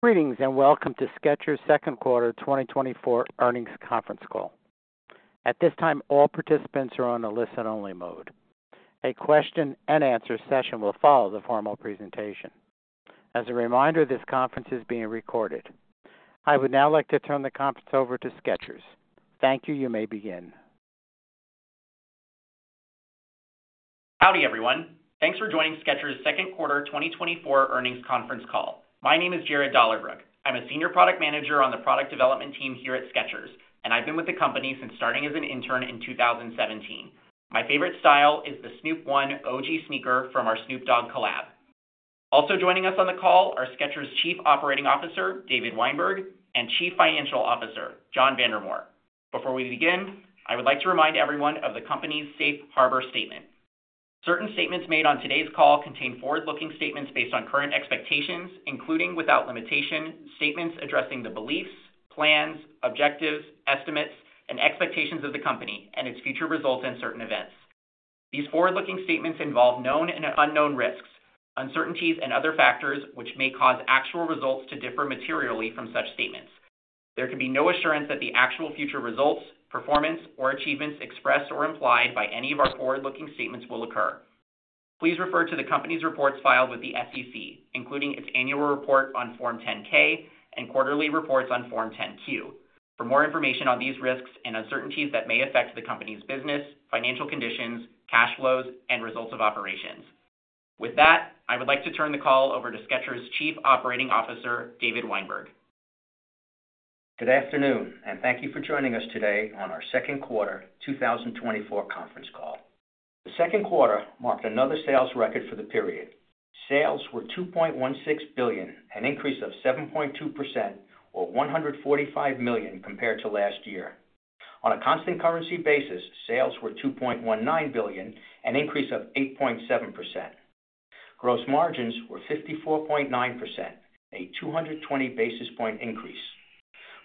Greetings, and welcome to Skechers' Second Quarter 2024 Earnings Conference Call. At this time, all participants are on a listen-only mode. A question and answer session will follow the formal presentation. As a reminder, this conference is being recorded. I would now like to turn the conference over to Skechers. Thank you. You may begin. Howdy, everyone. Thanks for joining Skechers' Second Quarter 2024 Earnings Conference Call. My name is Jared Dollarbrook. I'm a Senior Product Manager on the Product Development team here at Skechers, and I've been with the company since starting as an intern in 2017. My favorite style is the Snoop One - OG sneaker from our Snoop Dogg collab. Also joining us on the call are Skechers' Chief Operating Officer, David Weinberg, and Chief Financial Officer, John Vandemore. Before we begin, I would like to remind everyone of the company's Safe Harbor statement. Certain statements made on today's call contain forward-looking statements based on current expectations, including, without limitation, statements addressing the beliefs, plans, objectives, estimates, and expectations of the company and its future results and certain events. These forward-looking statements involve known and unknown risks, uncertainties, and other factors, which may cause actual results to differ materially from such statements. There can be no assurance that the actual future results, performance, or achievements expressed or implied by any of our forward-looking statements will occur. Please refer to the company's reports filed with the SEC, including its annual report on Form 10-K and quarterly reports on Form 10-Q, for more information on these risks and uncertainties that may affect the company's business, financial conditions, cash flows, and results of operations. With that, I would like to turn the call over to Skechers' Chief Operating Officer, David Weinberg. Good afternoon, and thank you for joining us today on our Second Quarter 2024 Conference Call. The second quarter marked another sales record for the period. Sales were $2.16 billion, an increase of 7.2% or $145 million compared to last year. On a constant currency basis, sales were $2.19 billion, an increase of 8.7%. Gross margins were 54.9%, a 220 basis point increase.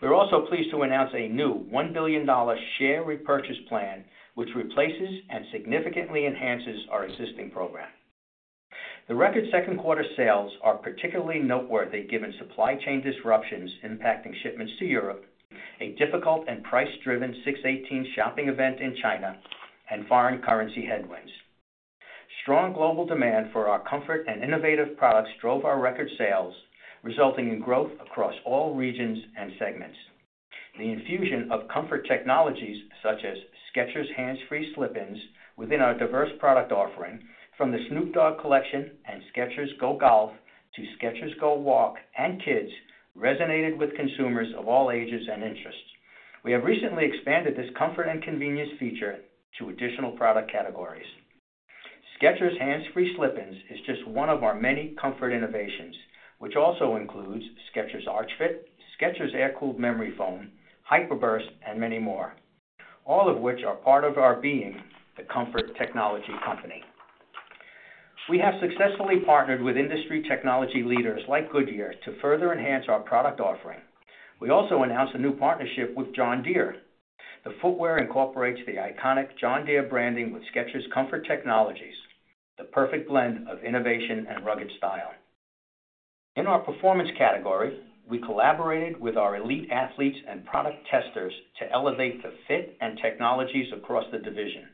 We're also pleased to announce a new $1 billion share repurchase plan, which replaces and significantly enhances our existing program. The record second quarter sales are particularly noteworthy, given supply chain disruptions impacting shipments to Europe, a difficult and price-driven 618 shopping event in China, and foreign currency headwinds. Strong global demand for our comfort and innovative products drove our record sales, resulting in growth across all regions and segments. The infusion of comfort technologies, such as Skechers Hands Free Slip-ins, within our diverse product offering, from the Snoop Dogg collection and Skechers GO GOLF to Skechers GO WALK and Skechers Kids, resonated with consumers of all ages and interests. We have recently expanded this comfort and convenience feature to additional product categories. Skechers Hands Free Slip-ins is just one of our many comfort innovations, which also includes Skechers Arch Fit, Skechers Air-Cooled Memory Foam, HYPER BURST, and many more, all of which are part of our being the Comfort Technology Company. We have successfully partnered with industry technology leaders like Goodyear to further enhance our product offering. We also announced a new partnership with John Deere. The footwear incorporates the iconic John Deere branding with Skechers comfort technologies, the perfect blend of innovation and rugged style. In our performance category, we collaborated with our elite athletes and product testers to elevate the fit and technologies across the division.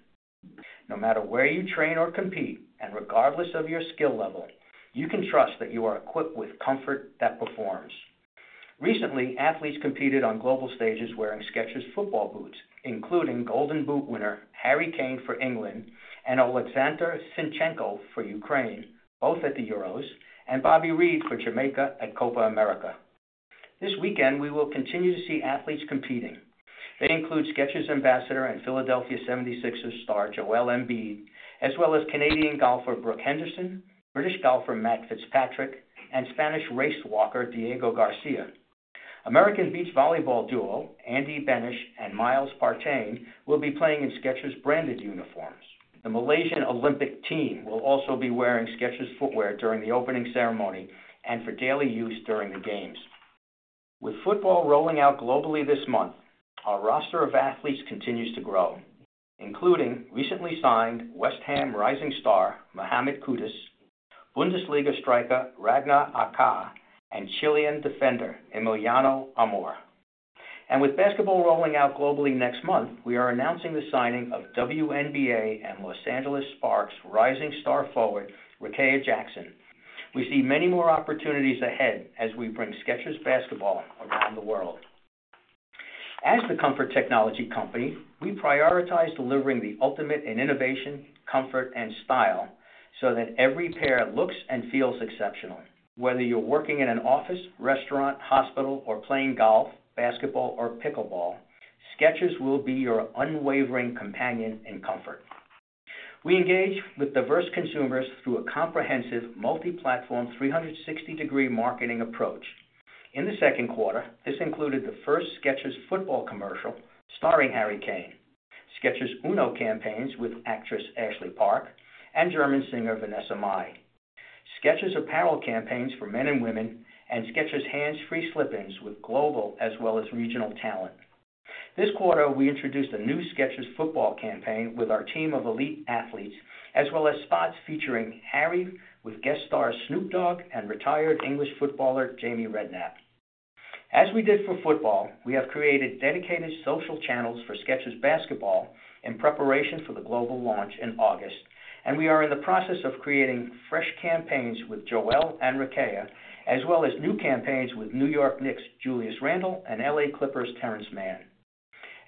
No matter where you train or compete, and regardless of your skill level, you can trust that you are equipped with comfort that performs. Recently, athletes competed on global stages wearing Skechers football boots, including Golden Boot winner, Harry Kane for England and Oleksandr Zinchenko for Ukraine, both at the Euros, and Bobby Reid for Jamaica at Copa America. This weekend, we will continue to see athletes competing. They include Skechers ambassador and Philadelphia 76ers star, Joel Embiid, as well as Canadian golfer, Brooke Henderson, British golfer, Matt Fitzpatrick, and Spanish race walker, Diego García. American beach volleyball duo, Andy Benesh and Miles Partain, will be playing in Skechers-branded uniforms. The Malaysian Olympic team will also be wearing Skechers footwear during the opening ceremony and for daily use during the games. With football rolling out globally this month, our roster of athletes continues to grow, including recently signed West Ham rising star, Mohammed Kudus, Bundesliga striker, Ragnar Ache, and Chilean defender, Emiliano Amor. And with basketball rolling out globally next month, we are announcing the signing of WNBA and Los Angeles Sparks rising star forward, Rickea Jackson. We see many more opportunities ahead as we bring Skechers basketball around the world. As the Comfort Technology Company, we prioritize delivering the ultimate in innovation, comfort, and style so that every pair looks and feels exceptional. Whether you're working in an office, restaurant, hospital, or playing golf, basketball, or pickleball, Skechers will be your unwavering companion in comfort. We engage with diverse consumers through a comprehensive, multi-platform, 360-degree marketing approach. In the second quarter, this included the first Skechers Football commercial starring Harry Kane, Skechers Uno campaigns with actress Ashley Park and German singer Vanessa Mai, Skechers apparel campaigns for men and women, and Skechers Hands Free Slip-ins with global as well as regional talent. This quarter, we introduced a new Skechers Football campaign with our team of elite athletes, as well as spots featuring Harry, with guest star Snoop Dogg and retired English footballer, Jamie Redknapp. As we did for football, we have created dedicated social channels for Skechers Basketball in preparation for the global launch in August, and we are in the process of creating fresh campaigns with Joel and Rickea, as well as new campaigns with New York Knicks' Julius Randle and L.A. Clippers' Terance Mann.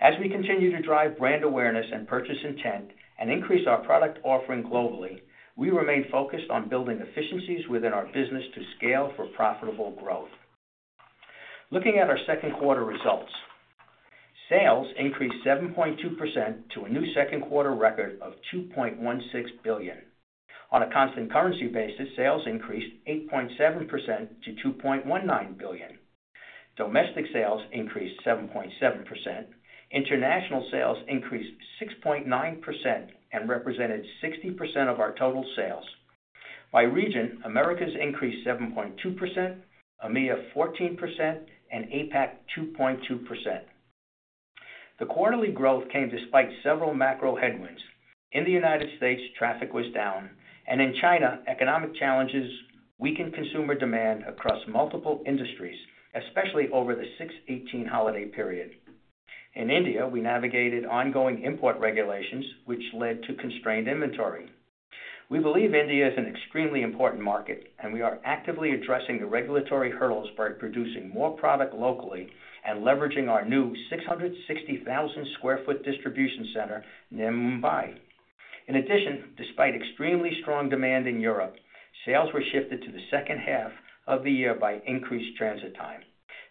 As we continue to drive brand awareness and purchase intent, and increase our product offering globally, we remain focused on building efficiencies within our business to scale for profitable growth. Looking at our second quarter results. Sales increased 7.2% to a new second quarter record of $2.16 billion. On a constant currency basis, sales increased 8.7% to $2.19 billion. Domestic sales increased 7.7%. International sales increased 6.9% and represented 60% of our total sales. By region, Americas increased 7.2%, EMEA 14%, and APAC 2.2%. The quarterly growth came despite several macro headwinds. In the United States, traffic was down, and in China, economic challenges weakened consumer demand across multiple industries, especially over the 618 holiday period. In India, we navigated ongoing import regulations, which led to constrained inventory. We believe India is an extremely important market, and we are actively addressing the regulatory hurdles by producing more product locally and leveraging our new 660,000 sq ft distribution center near Mumbai. In addition, despite extremely strong demand in Europe, sales were shifted to the second half of the year by increased transit time.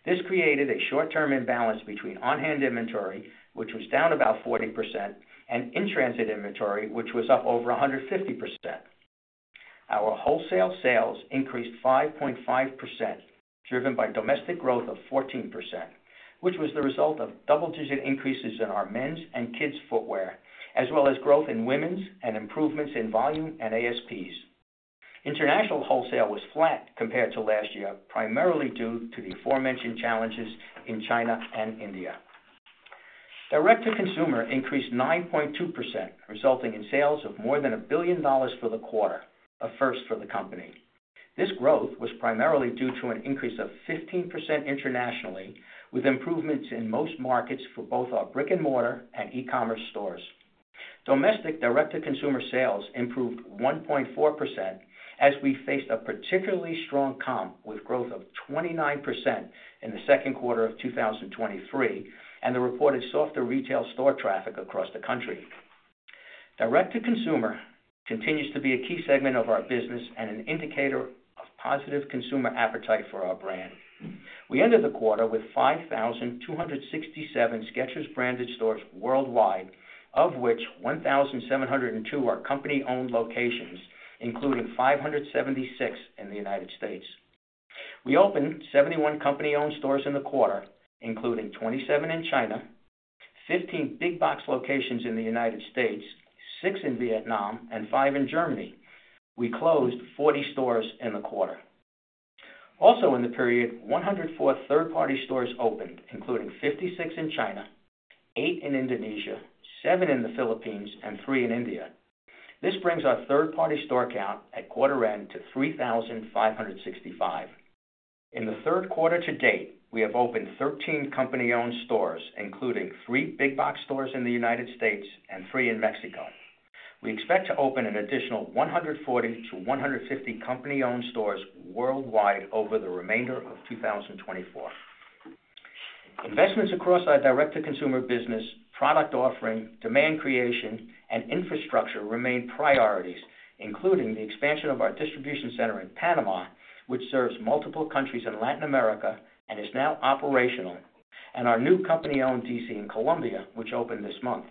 This created a short-term imbalance between on-hand inventory, which was down about 40%, and in-transit inventory, which was up over 150%. Our wholesale sales increased 5.5%, driven by domestic growth of 14%, which was the result of double-digit increases in our men's and kids' footwear, as well as growth in women's and improvements in volume and ASPs. International wholesale was flat compared to last year, primarily due to the aforementioned challenges in China and India. Direct-to-consumer increased 9.2%, resulting in sales of more than $1 billion for the quarter, a first for the company. This growth was primarily due to an increase of 15% internationally, with improvements in most markets for both our brick-and-mortar and e-commerce stores. Domestic direct-to-consumer sales improved 1.4%, as we faced a particularly strong comp, with growth of 29% in the second quarter of 2023, and the reported softer retail store traffic across the country. Direct-to-consumer continues to be a key segment of our business and an indicator of positive consumer appetite for our brand. We ended the quarter with 5,267 Skechers-branded stores worldwide, of which 1,702 are company-owned locations, including 576 in the United States. We opened 71 company-owned stores in the quarter, including 27 in China, 15 big box locations in the United States, 6 in Vietnam, and 5 in Germany. We closed 40 stores in the quarter. Also in the period, 104 third-party stores opened, including 56 in China, 8 in Indonesia, 7 in the Philippines, and 3 in India. This brings our third-party store count at quarter end to 3,565. In the third quarter to date, we have opened 13 company-owned stores, including 3 big box stores in the United States and 3 in Mexico. We expect to open an additional 140-150 company-owned stores worldwide over the remainder of 2024. Investments across our direct-to-consumer business, product offering, demand creation, and infrastructure remain priorities, including the expansion of our distribution center in Panama, which serves multiple countries in Latin America and is now operational, and our new company-owned DC in Colombia, which opened this month.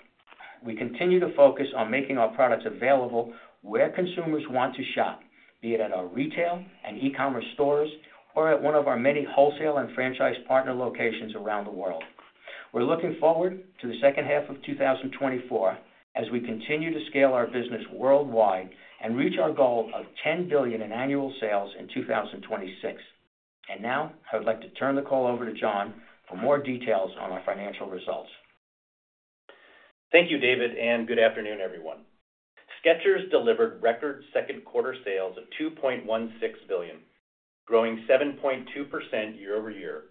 We continue to focus on making our products available where consumers want to shop, be it at our retail and e-commerce stores, or at one of our many wholesale and franchise partner locations around the world. We're looking forward to the second half of 2024 as we continue to scale our business worldwide and reach our goal of $10 billion in annual sales in 2026. And now, I would like to turn the call over to John for more details on our financial results. Thank you, David, and good afternoon, everyone. Skechers delivered record second quarter sales of $2.16 billion, growing 7.2% year-over-year,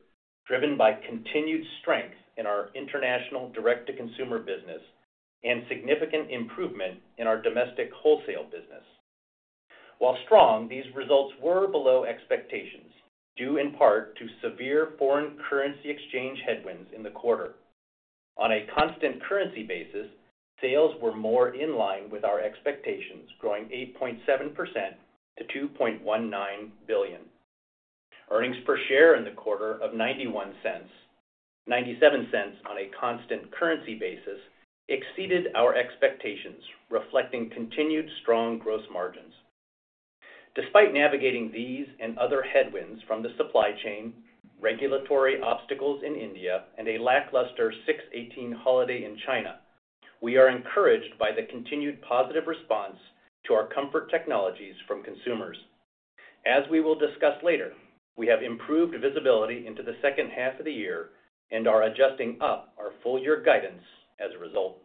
driven by continued strength in our international direct-to-consumer business and significant improvement in our domestic wholesale business. While strong, these results were below expectations, due in part to severe foreign currency exchange headwinds in the quarter. On a constant currency basis, sales were more in line with our expectations, growing 8.7% to $2.19 billion. Earnings per share in the quarter of $0.91, $0.97 on a constant currency basis, exceeded our expectations, reflecting continued strong gross margins. Despite navigating these and other headwinds from the supply chain, regulatory obstacles in India, and a lackluster 618 holiday in China, we are encouraged by the continued positive response to our comfort technologies from consumers. As we will discuss later, we have improved visibility into the second half of the year and are adjusting up our full year guidance as a result.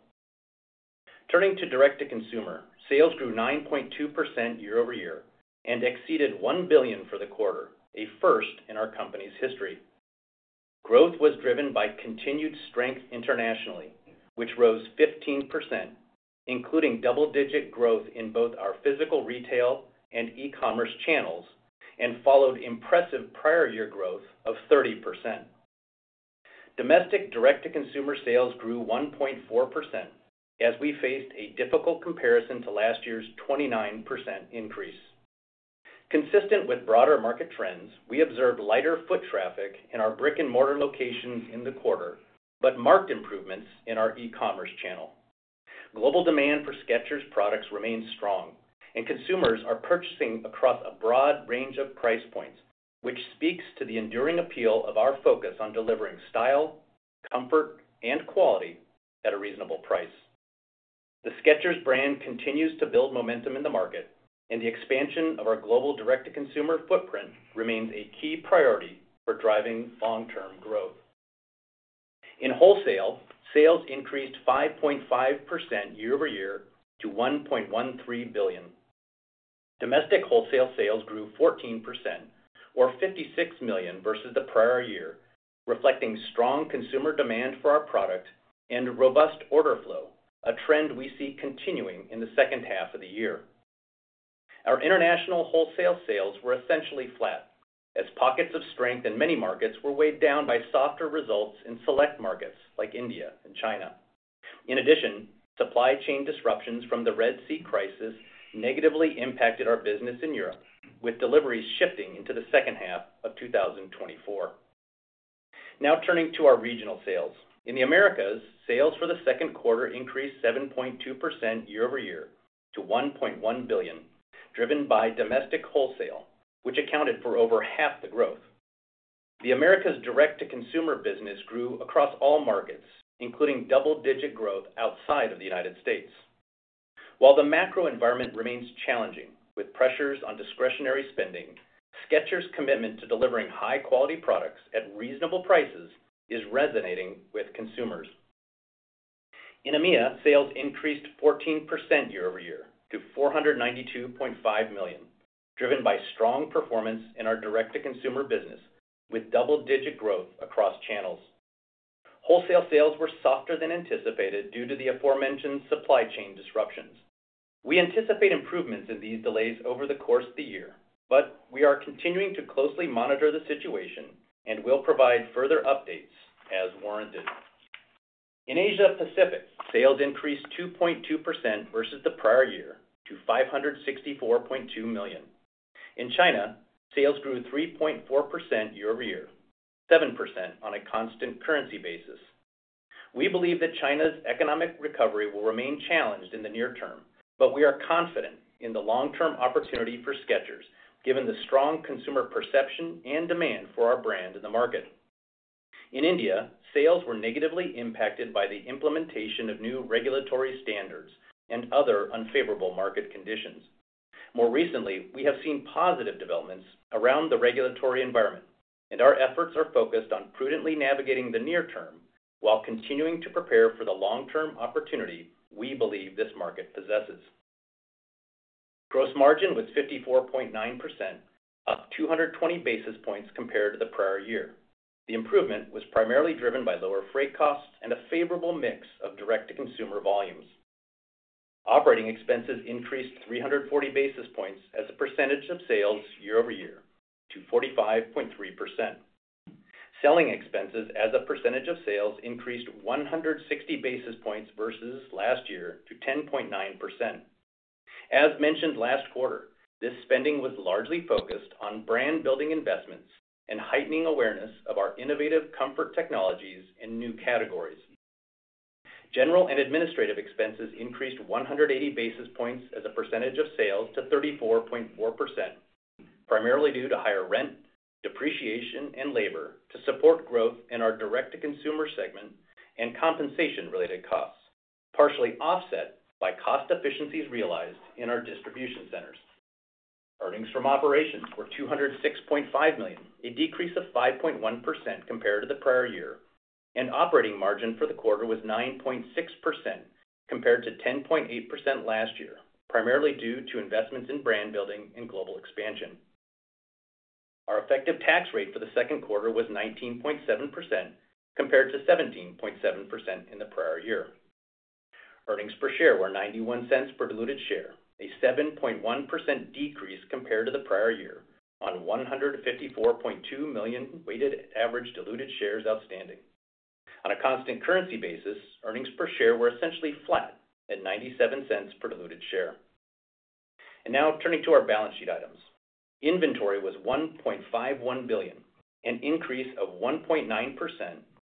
Turning to direct-to-consumer, sales grew 9.2% year-over-year and exceeded $1 billion for the quarter, a first in our company's history. Growth was driven by continued strength internationally, which rose 15%, including double-digit growth in both our physical, retail, and e-commerce channels, and followed impressive prior year growth of 30%. Domestic direct-to-consumer sales grew 1.4%, as we faced a difficult comparison to last year's 29% increase. Consistent with broader market trends, we observed lighter foot traffic in our brick-and-mortar locations in the quarter, but marked improvements in our e-commerce channel. Global demand for Skechers products remains strong, and consumers are purchasing across a broad range of price points, which speaks to the enduring appeal of our focus on delivering style, comfort, and quality at a reasonable price. The Skechers brand continues to build momentum in the market, and the expansion of our global direct-to-consumer footprint remains a key priority for driving long-term growth. In wholesale, sales increased 5.5% year-over-year to $1.13 billion. Domestic wholesale sales grew 14% or $56 million versus the prior year, reflecting strong consumer demand for our product and robust order flow, a trend we see continuing in the second half of the year. Our international wholesale sales were essentially flat, as pockets of strength in many markets were weighed down by softer results in select markets like India and China. In addition, supply chain disruptions from the Red Sea crisis negatively impacted our business in Europe, with deliveries shifting into the second half of 2024. Now, turning to our regional sales. In the Americas, sales for the second quarter increased 7.2% year-over-year to $1.1 billion, driven by domestic wholesale, which accounted for over half the growth. The Americas direct-to-consumer business grew across all markets, including double-digit growth outside of the United States. While the macro environment remains challenging, with pressures on discretionary spending, Skechers' commitment to delivering high-quality products at reasonable prices is resonating with consumers. In EMEA, sales increased 14% year-over-year to $492.5 million, driven by strong performance in our direct-to-consumer business, with double-digit growth across channels. Wholesale sales were softer than anticipated due to the aforementioned supply chain disruptions. We anticipate improvements in these delays over the course of the year, but we are continuing to closely monitor the situation and will provide further updates as warranted. In Asia Pacific, sales increased 2.2% versus the prior year to $564.2 million. In China, sales grew 3.4% year-over-year, 7% on a constant currency basis. We believe that China's economic recovery will remain challenged in the near term, but we are confident in the long-term opportunity for Skechers, given the strong consumer perception and demand for our brand in the market. In India, sales were negatively impacted by the implementation of new regulatory standards and other unfavorable market conditions. More recently, we have seen positive developments around the regulatory environment, and our efforts are focused on prudently navigating the near term while continuing to prepare for the long-term opportunity we believe this market possesses. Gross margin was 54.9%, up 220 basis points compared to the prior year. The improvement was primarily driven by lower freight costs and a favorable mix of direct-to-consumer volumes. Operating expenses increased 340 basis points as a percentage of sales year over year to 45.3%. Selling expenses as a percentage of sales increased 160 basis points versus last year to 10.9%. As mentioned last quarter, this spending was largely focused on brand-building investments and heightening awareness of our innovative comfort technologies in new categories. General and administrative expenses increased 180 basis points as a percentage of sales to 34.4%, primarily due to higher rent, depreciation, and labor to support growth in our direct-to-consumer segment and compensation-related costs, partially offset by cost efficiencies realized in our distribution centers. Earnings from operations were $206.5 million, a decrease of 5.1% compared to the prior year, and operating margin for the quarter was 9.6%, compared to 10.8% last year, primarily due to investments in brand building and global expansion. Our effective tax rate for the second quarter was 19.7%, compared to 17.7% in the prior year. Earnings per share were $0.91 per diluted share, a 7.1% decrease compared to the prior year on 154.2 million weighted average diluted shares outstanding. On a constant currency basis, earnings per share were essentially flat at $0.97 per diluted share. Now turning to our balance sheet items. Inventory was $1.51 billion, an increase of 1.9%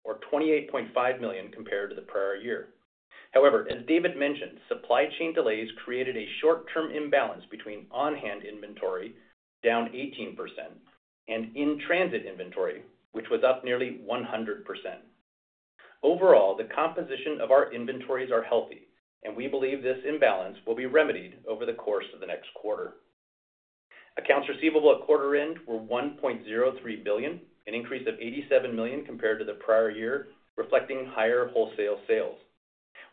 or $28.5 million compared to the prior year. However, as David mentioned, supply chain delays created a short-term imbalance between on-hand inventory, down 18%, and in-transit inventory, which was up nearly 100%. Overall, the composition of our inventories are healthy, and we believe this imbalance will be remedied over the course of the next quarter. Accounts receivable at quarter end were $1.03 billion, an increase of $87 million compared to the prior year, reflecting higher wholesale sales.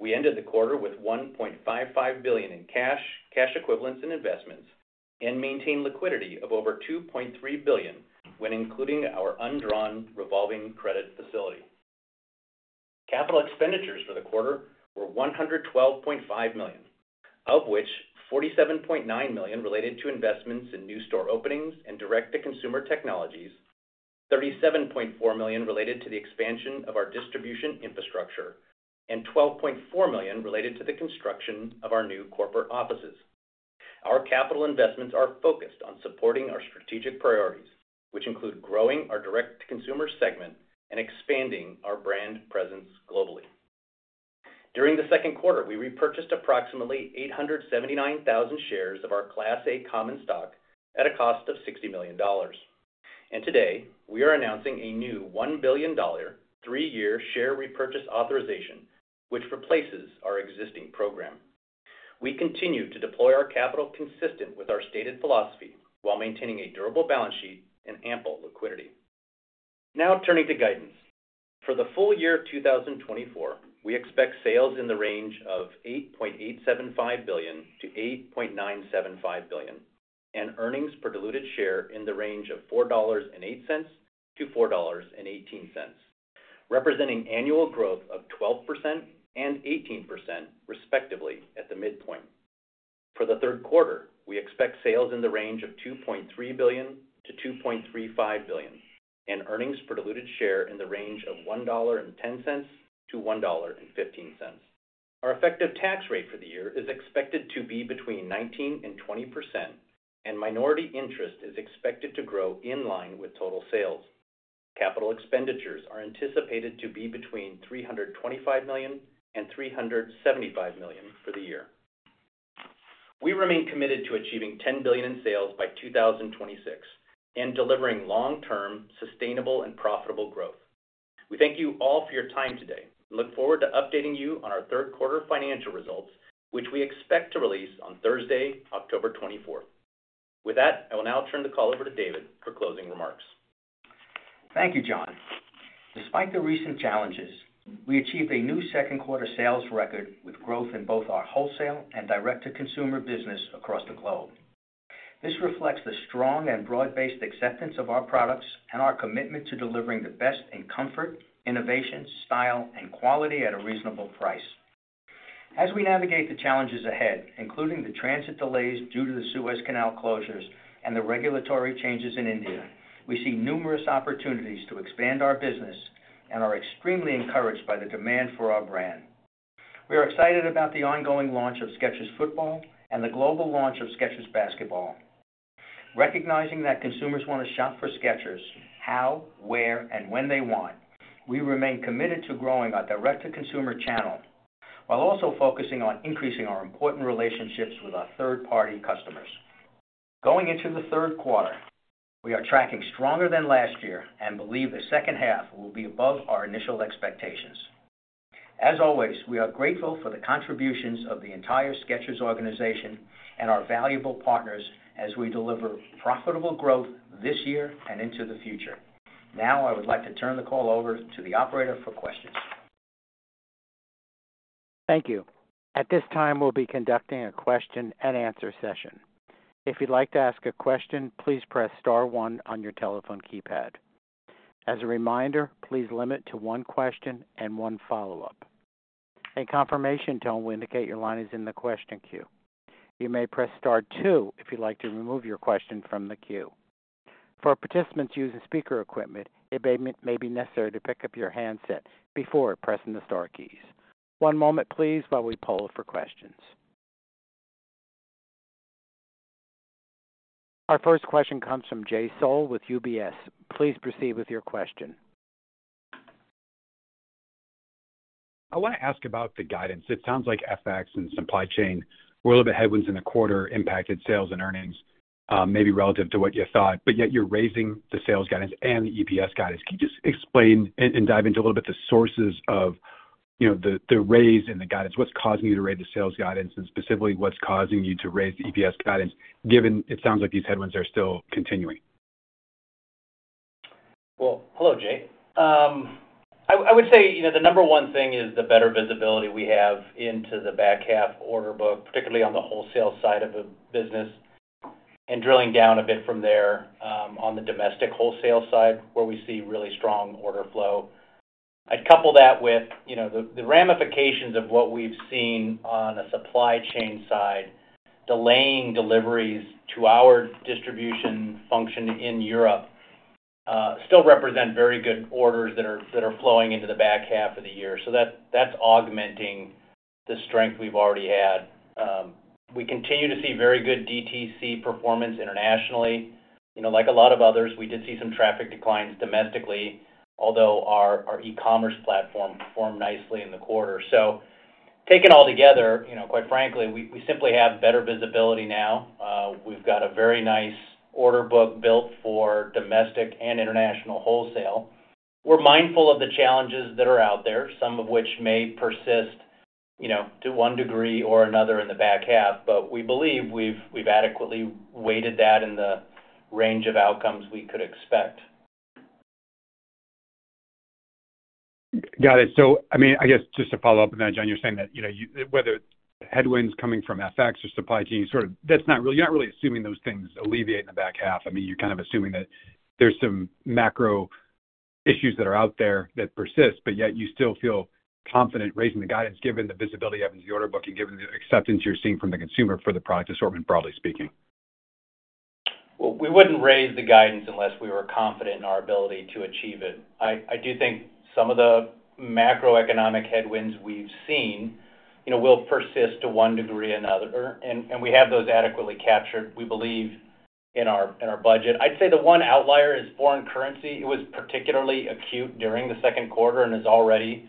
We ended the quarter with $1.55 billion in cash, cash equivalents, and investments, and maintained liquidity of over $2.3 billion when including our undrawn revolving credit facility. Capital expenditures for the quarter were $112.5 million, of which $47.9 million related to investments in new store openings and direct-to-consumer technologies, $37.4 million related to the expansion of our distribution infrastructure, and $12.4 million related to the construction of our new corporate offices. Our capital investments are focused on supporting our strategic priorities, which include growing our direct-to-consumer segment and expanding our brand presence globally. During the second quarter, we repurchased approximately 879,000 shares of our Class A common stock at a cost of $60 million. Today, we are announcing a new $1 billion, three-year share repurchase authorization, which replaces our existing program. We continue to deploy our capital consistent with our stated philosophy, while maintaining a durable balance sheet and ample liquidity. Now, turning to guidance. For the full year of 2024, we expect sales in the range of $8.875 billion-$8.975 billion, and earnings per diluted share in the range of $4.08-$4.18, representing annual growth of 12% and 18%, respectively, at the midpoint. For the third quarter, we expect sales in the range of $2.3 billion-$2.35 billion, and earnings per diluted share in the range of $1.10-$1.15. Our effective tax rate for the year is expected to be between 19%-20%, and minority interest is expected to grow in line with total sales. Capital expenditures are anticipated to be between $325 million-$375 million for the year. We remain committed to achieving $10 billion in sales by 2026 and delivering long-term, sustainable, and profitable growth. We thank you all for your time today and look forward to updating you on our Third Quarter Financial Results, which we expect to release on Thursday, October 24. With that, I will now turn the call over to David for closing remarks. Thank you, John. Despite the recent challenges, we achieved a new second quarter sales record with growth in both our wholesale and direct-to-consumer business across the globe. This reflects the strong and broad-based acceptance of our products and our commitment to delivering the best in comfort, innovation, style, and quality at a reasonable price. As we navigate the challenges ahead, including the transit delays due to the Suez Canal closures and the regulatory changes in India, we see numerous opportunities to expand our business and are extremely encouraged by the demand for our brand. We are excited about the ongoing launch of Skechers Football and the global launch of Skechers Basketball. Recognizing that consumers want to shop for Skechers how, where, and when they want, we remain committed to growing our direct-to-consumer channel, while also focusing on increasing our important relationships with our third-party customers. Going into the third quarter, we are tracking stronger than last year and believe the second half will be above our initial expectations. As always, we are grateful for the contributions of the entire Skechers organization and our valuable partners as we deliver profitable growth this year and into the future. Now, I would like to turn the call over to the operator for questions. Thank you. At this time, we'll be conducting a question-and-answer session. If you'd like to ask a question, please press star one on your telephone keypad. As a reminder, please limit to one question and one follow-up. A confirmation tone will indicate your line is in the question queue. You may press star two if you'd like to remove your question from the queue. For participants using speaker equipment, it may be necessary to pick up your handset before pressing the star keys. One moment, please, while we poll for questions. Our first question comes from Jay Sole with UBS. Please proceed with your question. I wanna ask about the guidance. It sounds like FX and supply chain were a little bit headwinds in the quarter, impacted sales and earnings, maybe relative to what you thought, but yet you're raising the sales guidance and the EPS guidance. Can you just explain and dive into a little bit the sources of, you know, the raise in the guidance? What's causing you to raise the sales guidance, and specifically, what's causing you to raise the EPS guidance, given it sounds like these headwinds are still continuing? Well, hello, Jay. I would say, you know, the number one thing is the better visibility we have into the back half order book, particularly on the wholesale side of the business, and drilling down a bit from there, on the domestic wholesale side, where we see really strong order flow. I'd couple that with, you know, the ramifications of what we've seen on the supply chain side, delaying deliveries to our distribution function in Europe, still represent very good orders that are flowing into the back half of the year. So that's augmenting the strength we've already had. We continue to see very good DTC performance internationally. You know, like a lot of others, we did see some traffic declines domestically, although our e-commerce platform performed nicely in the quarter. Taken all together, you know, quite frankly, we simply have better visibility now. We've got a very nice order book built for domestic and international wholesale. We're mindful of the challenges that are out there, some of which may persist, you know, to one degree or another in the back half, but we believe we've adequately weighted that in the range of outcomes we could expect. Got it. So, I mean, I guess just to follow up on that, John, you're saying that, you know, you—whether it's headwinds coming from FX or supply chain, sort of that's not really—you're not really assuming those things alleviate in the back half. I mean, you're kind of assuming that there's some macro issues that are out there that persist, but yet you still feel confident raising the guidance, given the visibility of the order book and given the acceptance you're seeing from the consumer for the product assortment, broadly speaking. Well, we wouldn't raise the guidance unless we were confident in our ability to achieve it. I do think some of the macroeconomic headwinds we've seen, you know, will persist to one degree or another, and we have those adequately captured, we believe, in our budget. I'd say the one outlier is foreign currency. It was particularly acute during the second quarter and has already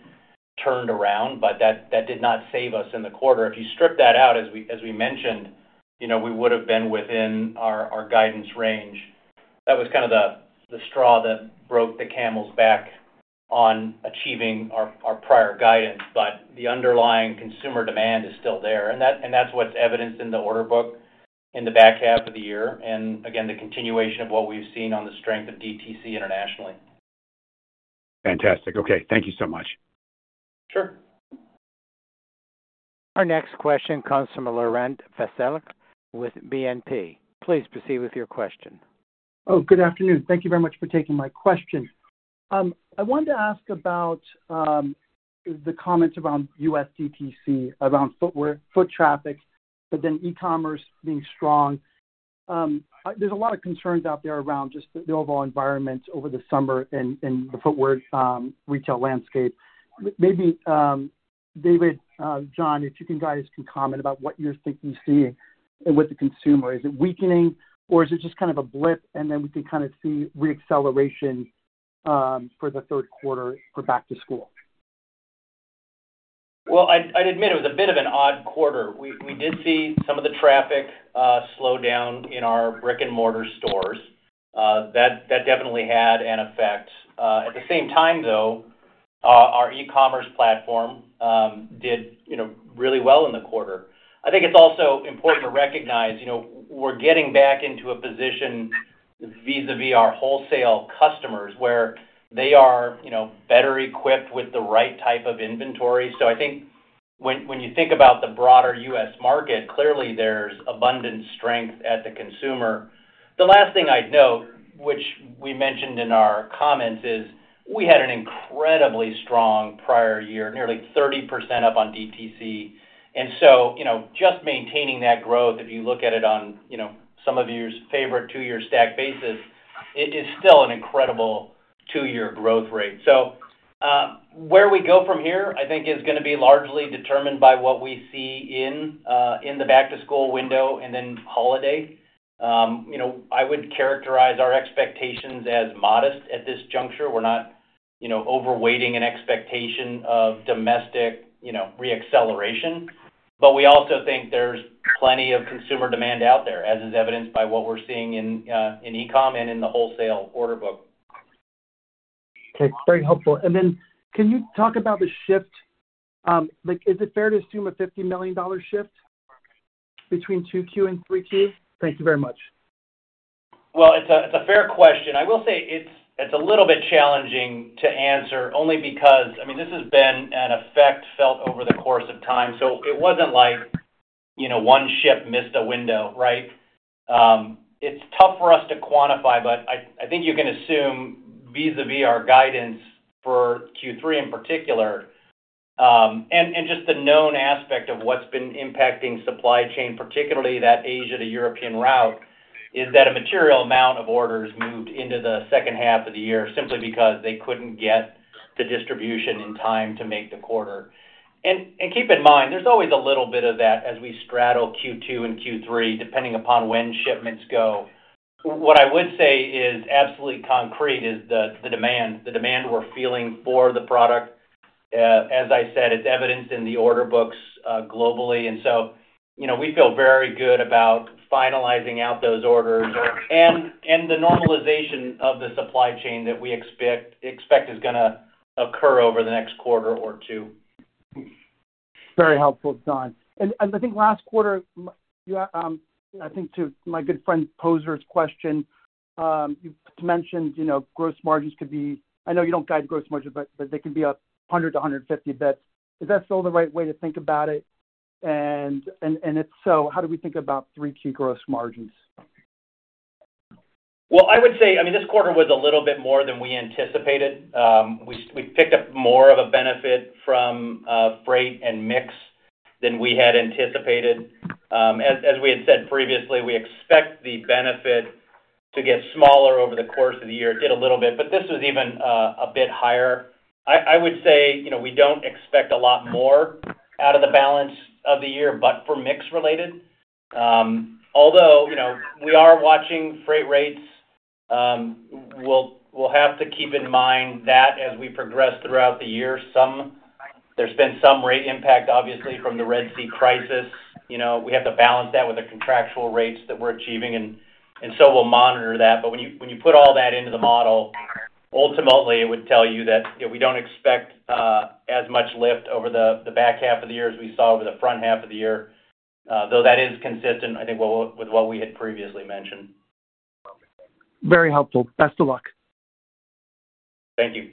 turned around, but that did not save us in the quarter. If you strip that out, as we mentioned, you know, we would have been within our guidance range. That was kind of the straw that broke the camel's back on achieving our prior guidance, but the underlying consumer demand is still there, and that's what's evidenced in the order book in the back half of the year. And again, the continuation of what we've seen on the strength of DTC internationally. Fantastic. Okay, thank you so much. Sure. Our next question comes from Laurent Vasilescu with BNP. Please proceed with your question. Oh, good afternoon. Thank you very much for taking my question. I wanted to ask about the comments around US DTC, around footwear, foot traffic, but then e-commerce being strong. There's a lot of concerns out there around just the overall environment over the summer and the footwear retail landscape. Maybe, David, John, if you guys can comment about what you're thinking, seeing with the consumer. Is it weakening, or is it just kind of a blip, and then we can kind of see re-acceleration for the third quarter for back to school? Well, I'd admit it was a bit of an odd quarter. We did see some of the traffic slow down in our brick-and-mortar stores. That definitely had an effect. At the same time, though, our e-commerce platform did, you know, really well in the quarter. I think it's also important to recognize, you know, we're getting back into a position vis-à-vis our wholesale customers, where they are, you know, better equipped with the right type of inventory. So I think when you think about the broader U.S. market, clearly there's abundant strength at the consumer. The last thing I'd note, which we mentioned in our comments, is we had an incredibly strong strong prior year, nearly 30% up on DTC. And so, you know, just maintaining that growth, if you look at it on, you know, some of your favorite two-year stack basis, it is still an incredible two-year growth rate. So, where we go from here, I think, is gonna be largely determined by what we see in the back-to-school window and then holiday. You know, I would characterize our expectations as modest at this juncture. We're not, you know, overweighting an expectation of domestic, you know, re-acceleration, but we also think there's plenty of consumer demand out there, as is evidenced by what we're seeing in e-com and in the wholesale order book. Okay, very helpful. And then, can you talk about the shift? Like, is it fair to assume a $50 million shift between 2Q and 3Q? Thank you very much. Well, it's a fair question. I will say it's a little bit challenging to answer, only because, I mean, this has been an effect felt over the course of time. So it wasn't like, you know, one ship missed a window, right? It's tough for us to quantify, but I think you can assume, vis-à-vis our guidance for Q3 in particular, and just the known aspect of what's been impacting supply chain, particularly that Asia to European route, is that a material amount of orders moved into the second half of the year simply because they couldn't get the distribution in time to make the quarter. And keep in mind, there's always a little bit of that as we straddle Q2 and Q3, depending upon when shipments go. What I would say is absolutely concrete is the, the demand, the demand we're feeling for the product. As I said, it's evidenced in the order books, globally, and so, you know, we feel very good about finalizing out those orders and, and the normalization of the supply chain that we expect, expect is gonna occur over the next quarter or two. Very helpful, John. And I think last quarter, I think to my good friend, Poser's question, you mentioned, you know, gross margins could be. I know you don't guide gross margins, but they could be up 100-150 basis points. Is that still the right way to think about it? And if so, how do we think about three key gross margins? Well, I would say, I mean, this quarter was a little bit more than we anticipated. We picked up more of a benefit from freight and mix than we had anticipated. As we had said previously, we expect the benefit to get smaller over the course of the year. It did a little bit, but this was even a bit higher. I would say, you know, we don't expect a lot more out of the balance of the year, but for mix-related, although, you know, we are watching freight rates. We'll have to keep in mind that as we progress throughout the year, there's been some rate impact, obviously, from the Red Sea crisis. You know, we have to balance that with the contractual rates that we're achieving, and so we'll monitor that. But when you put all that into the model, ultimately, it would tell you that, you know, we don't expect as much lift over the back half of the year as we saw over the front half of the year, though that is consistent, I think, with what we had previously mentioned. Very helpful. Best of luck. Thank you.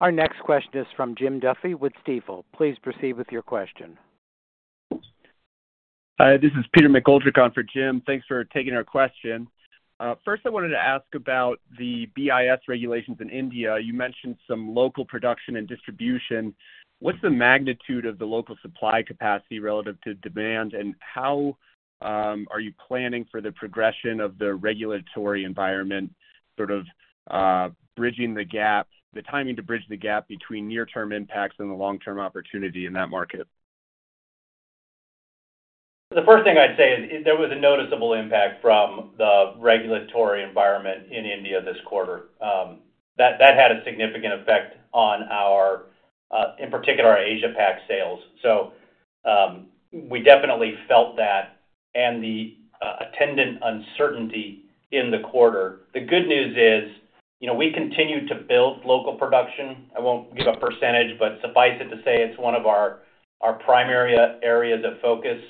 Our next question is from Jim Duffy with Stifel. Please proceed with your question. Hi, this is Peter McGoldrick on for Jim. Thanks for taking our question. First, I wanted to ask about the BIS regulations in India. You mentioned some local production and distribution. What's the magnitude of the local supply capacity relative to demand, and how are you planning for the progression of the regulatory environment, sort of, bridging the gap, the timing to bridge the gap between near-term impacts and the long-term opportunity in that market? The first thing I'd say is, there was a noticeable impact from the regulatory environment in India this quarter. That had a significant effect on our, in particular, our Asia Pac sales. So, we definitely felt that and the attendant uncertainty in the quarter. The good news is, you know, we continue to build local production. I won't give a percentage, but suffice it to say, it's one of our primary areas of focus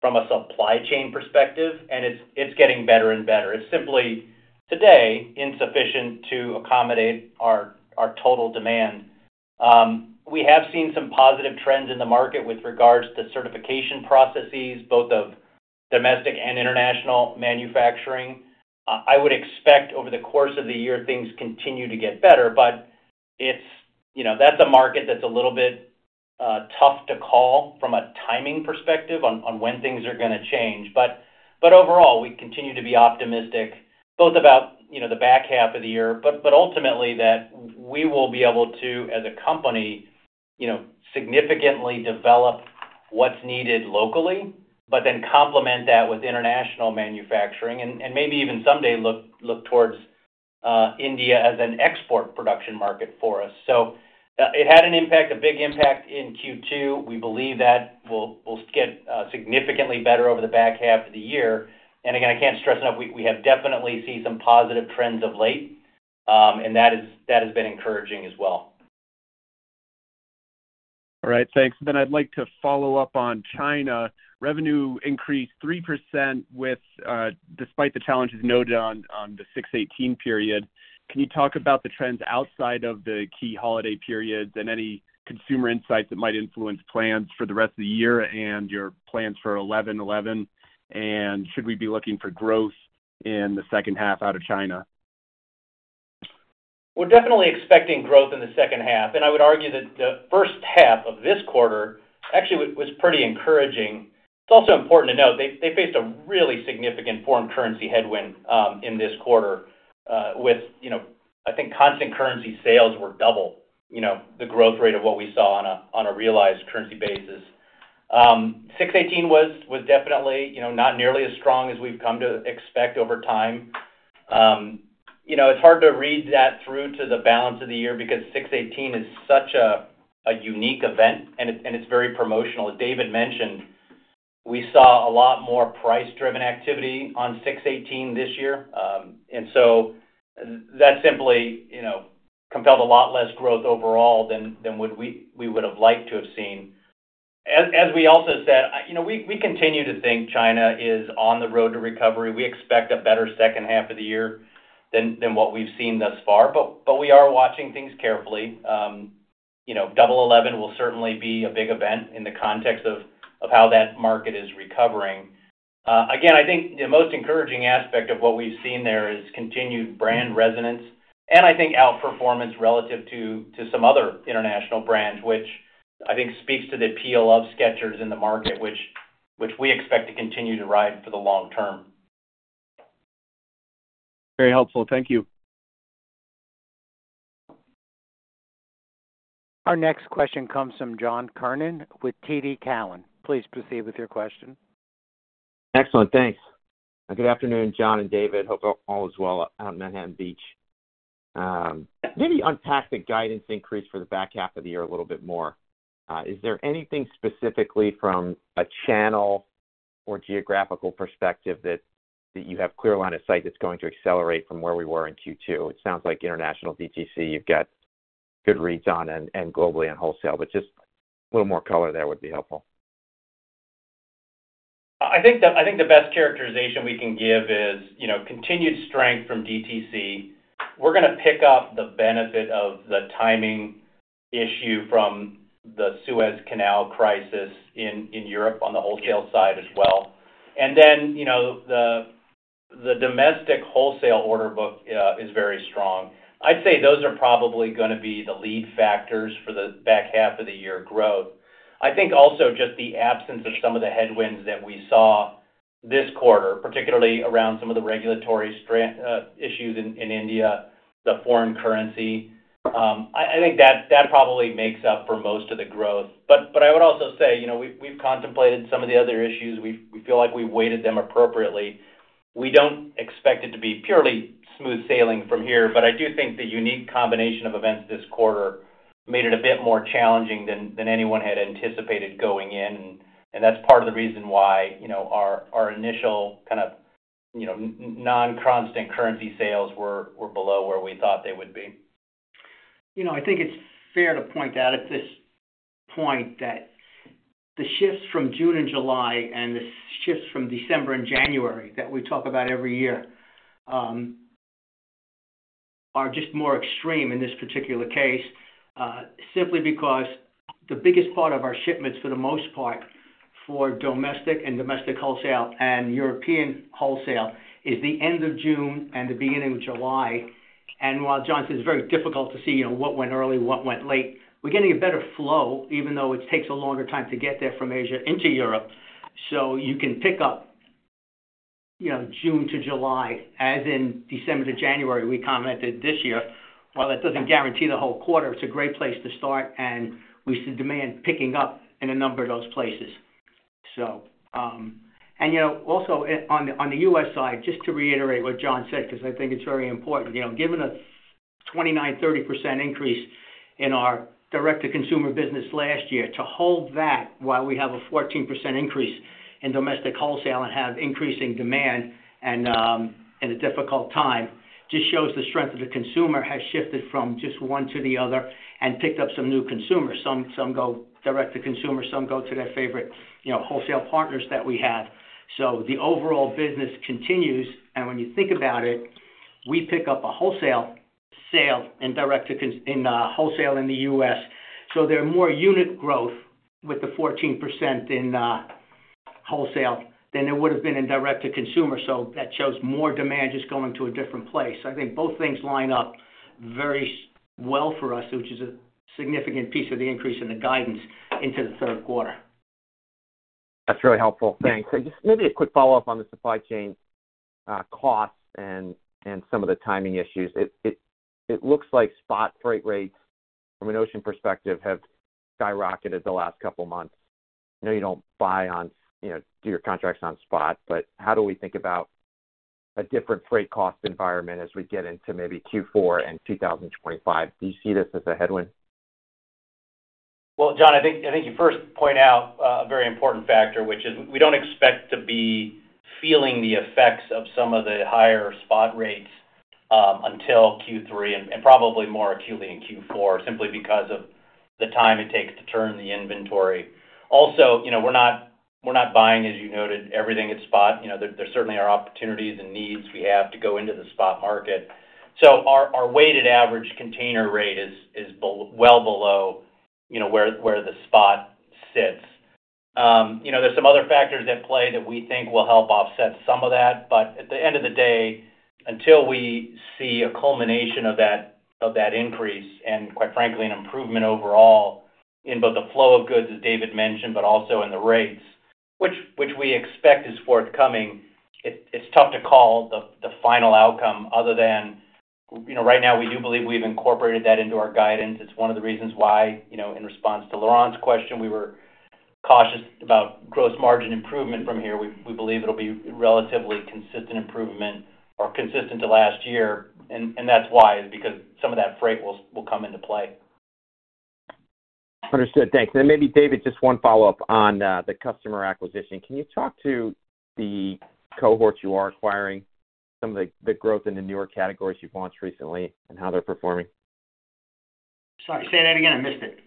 from a supply chain perspective, and it's getting better and better. It's simply, today, insufficient to accommodate our total demand. We have seen some positive trends in the market with regards to certification processes, both of domestic and international manufacturing. I would expect over the course of the year, things continue to get better. You know, that's a market that's a little bit tough to call from a timing perspective on when things are going to change. But overall, we continue to be optimistic, both about, you know, the back half of the year, but ultimately, that we will be able to, as a company, you know, significantly develop what's needed locally, but then complement that with international manufacturing, and maybe even someday, look towards India as an export production market for us. So it had an impact, a big impact in Q2. We believe that will get significantly better over the back half of the year. And again, I can't stress enough, we have definitely seen some positive trends of late, and that has been encouraging as well. All right. Thanks. I'd like to follow up on China. Revenue increased 3% despite the challenges noted on the 618 period. Can you talk about the trends outside of the key holiday periods and any consumer insights that might influence plans for the rest of the year and your plans for 11.11? And should we be looking for growth in the second half out of China? We're definitely expecting growth in the second half, and I would argue that the first half of this quarter actually was pretty encouraging. It's also important to note, they faced a really significant foreign currency headwind in this quarter, with, you know, I think constant currency sales were double, you know, the growth rate of what we saw on a realized currency basis. 618 was definitely, you know, not nearly as strong as we've come to expect over time. You know, it's hard to read that through to the balance of the year because 618 is such a unique event, and it's very promotional. As David mentioned, we saw a lot more price-driven activity on 618 this year. And so that simply, you know, compelled a lot less growth overall than, than what we, we would have liked to have seen. As, as we also said, you know, we, we continue to think China is on the road to recovery. We expect a better second half of the year than, than what we've seen thus far, but, but we are watching things carefully. You know, 11.11 will certainly be a big event in the context of, of how that market is recovering. Again, I think the most encouraging aspect of what we've seen there is continued brand resonance, and I think outperformance relative to, to some other international brands, which I think speaks to the appeal of Skechers in the market, which, which we expect to continue to ride for the long term. Very helpful. Thank you. Our next question comes from John Kernan with TD Cowen. Please proceed with your question. Excellent. Thanks. Good afternoon, John and David. Hope all is well out in Manhattan Beach. Maybe unpack the guidance increase for the back half of the year a little bit more. Is there anything specifically from a channel or geographical perspective that, that you have clear line of sight that's going to accelerate from where we were in Q2? It sounds like international DTC, you've got good reads on and, and globally on wholesale, but just a little more color there would be helpful. I think the best characterization we can give is, you know, continued strength from DTC. We're going to pick up the benefit of the timing issue from the Suez Canal crisis in Europe on the wholesale side as well. And then, you know, the domestic wholesale order book is very strong. I'd say those are probably going to be the lead factors for the back half of the year growth. I think also just the absence of some of the headwinds that we saw this quarter, particularly around some of the regulatory strain issues in India, the foreign currency. I think that probably makes up for most of the growth. But I would also say, you know, we've contemplated some of the other issues. We feel like we've weighted them appropriately. We don't expect it to be purely smooth sailing from here, but I do think the unique combination of events this quarter made it a bit more challenging than anyone had anticipated going in. And that's part of the reason why, you know, our initial kind of, you know, non-constant currency sales were below where we thought they would be. You know, I think it's fair to point out at this point that the shifts from June and July and the shifts from December and January that we talk about every year are just more extreme in this particular case simply because the biggest part of our shipments, for the most part, for domestic and domestic wholesale and European wholesale, is the end of June and the beginning of July. While John said, it's very difficult to see, you know, what went early, what went late, we're getting a better flow, even though it takes a longer time to get there from Asia into Europe. So you can pick up, you know, June to July, as in December to January, we commented this year. While that doesn't guarantee the whole quarter, it's a great place to start, and we see demand picking up in a number of those places. So, and, you know, also on, on the U.S. side, just to reiterate what John said, 'cause I think it's very important. You know, given a 29%-30% increase in our direct-to-consumer business last year, to hold that while we have a 14% increase in domestic wholesale and have increasing demand and, in a difficult time, just shows the strength of the consumer has shifted from just one to the other and picked up some new consumers. Some, some go direct-to-consumer, some go to their favorite, you know, wholesale partners that we have. So the overall business continues, and when you think about it, we pick up a wholesale sale in wholesale in the U.S., so there are more unit growth with the 14% in wholesale than it would have been in direct-to-consumer. So that shows more demand just going to a different place. I think both things line up very well for us, which is a significant piece of the increase in the guidance into the third quarter. That's really helpful. Thanks. Just maybe a quick follow-up on the supply chain, costs and some of the timing issues. It looks like spot freight rates from an ocean perspective have skyrocketed the last couple of months. I know you don't buy on, you know, do your contracts on spot, but how do we think about a different freight cost environment as we get into maybe Q4 and 2025? Do you see this as a headwind? Well, John, I think you first point out a very important factor, which is we don't expect to be feeling the effects of some of the higher spot rates until Q3, and probably more acutely in Q4, simply because of the time it takes to turn the inventory. Also, you know, we're not buying, as you noted, everything at spot. You know, there certainly are opportunities and needs we have to go into the spot market. So our weighted average container rate is well below, you know, where the spot sits. You know, there's some other factors at play that we think will help offset some of that. But at the end of the day, until we see a culmination of that increase and quite frankly, an improvement overall in both the flow of goods, as David mentioned, but also in the rates, which we expect is forthcoming, it's tough to call the final outcome other than... You know, right now, we do believe we've incorporated that into our guidance. It's one of the reasons why, you know, in response to Laurent's question, we were cautious about gross margin improvement from here. We believe it'll be relatively consistent improvement or consistent to last year. And that's why, because some of that freight will come into play. Understood. Thanks. Then maybe, David, just one follow-up on the customer acquisition. Can you talk to the cohorts you are acquiring, some of the growth in the newer categories you've launched recently and how they're performing? Sorry, say that again. I missed it.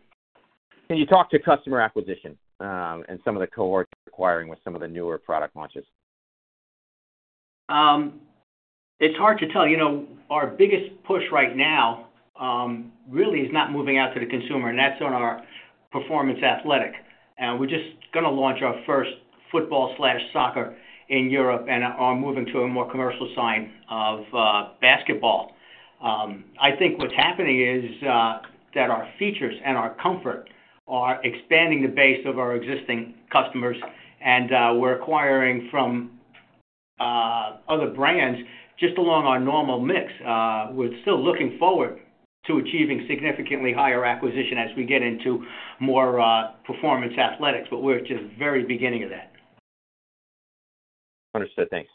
Can you talk to customer acquisition, and some of the cohorts you're acquiring with some of the newer product launches? It's hard to tell. You know, our biggest push right now, really is not moving out to the consumer, and that's on our performance athletic. And we're just gonna launch our first football/soccer in Europe and are moving to a more commercial side of basketball. I think what's happening is that our features and our comfort are expanding the base of our existing customers, and we're acquiring from other brands just along our normal mix. We're still looking forward to achieving significantly higher acquisition as we get into more performance athletics, but we're at just the very beginning of that. Understood. Thanks.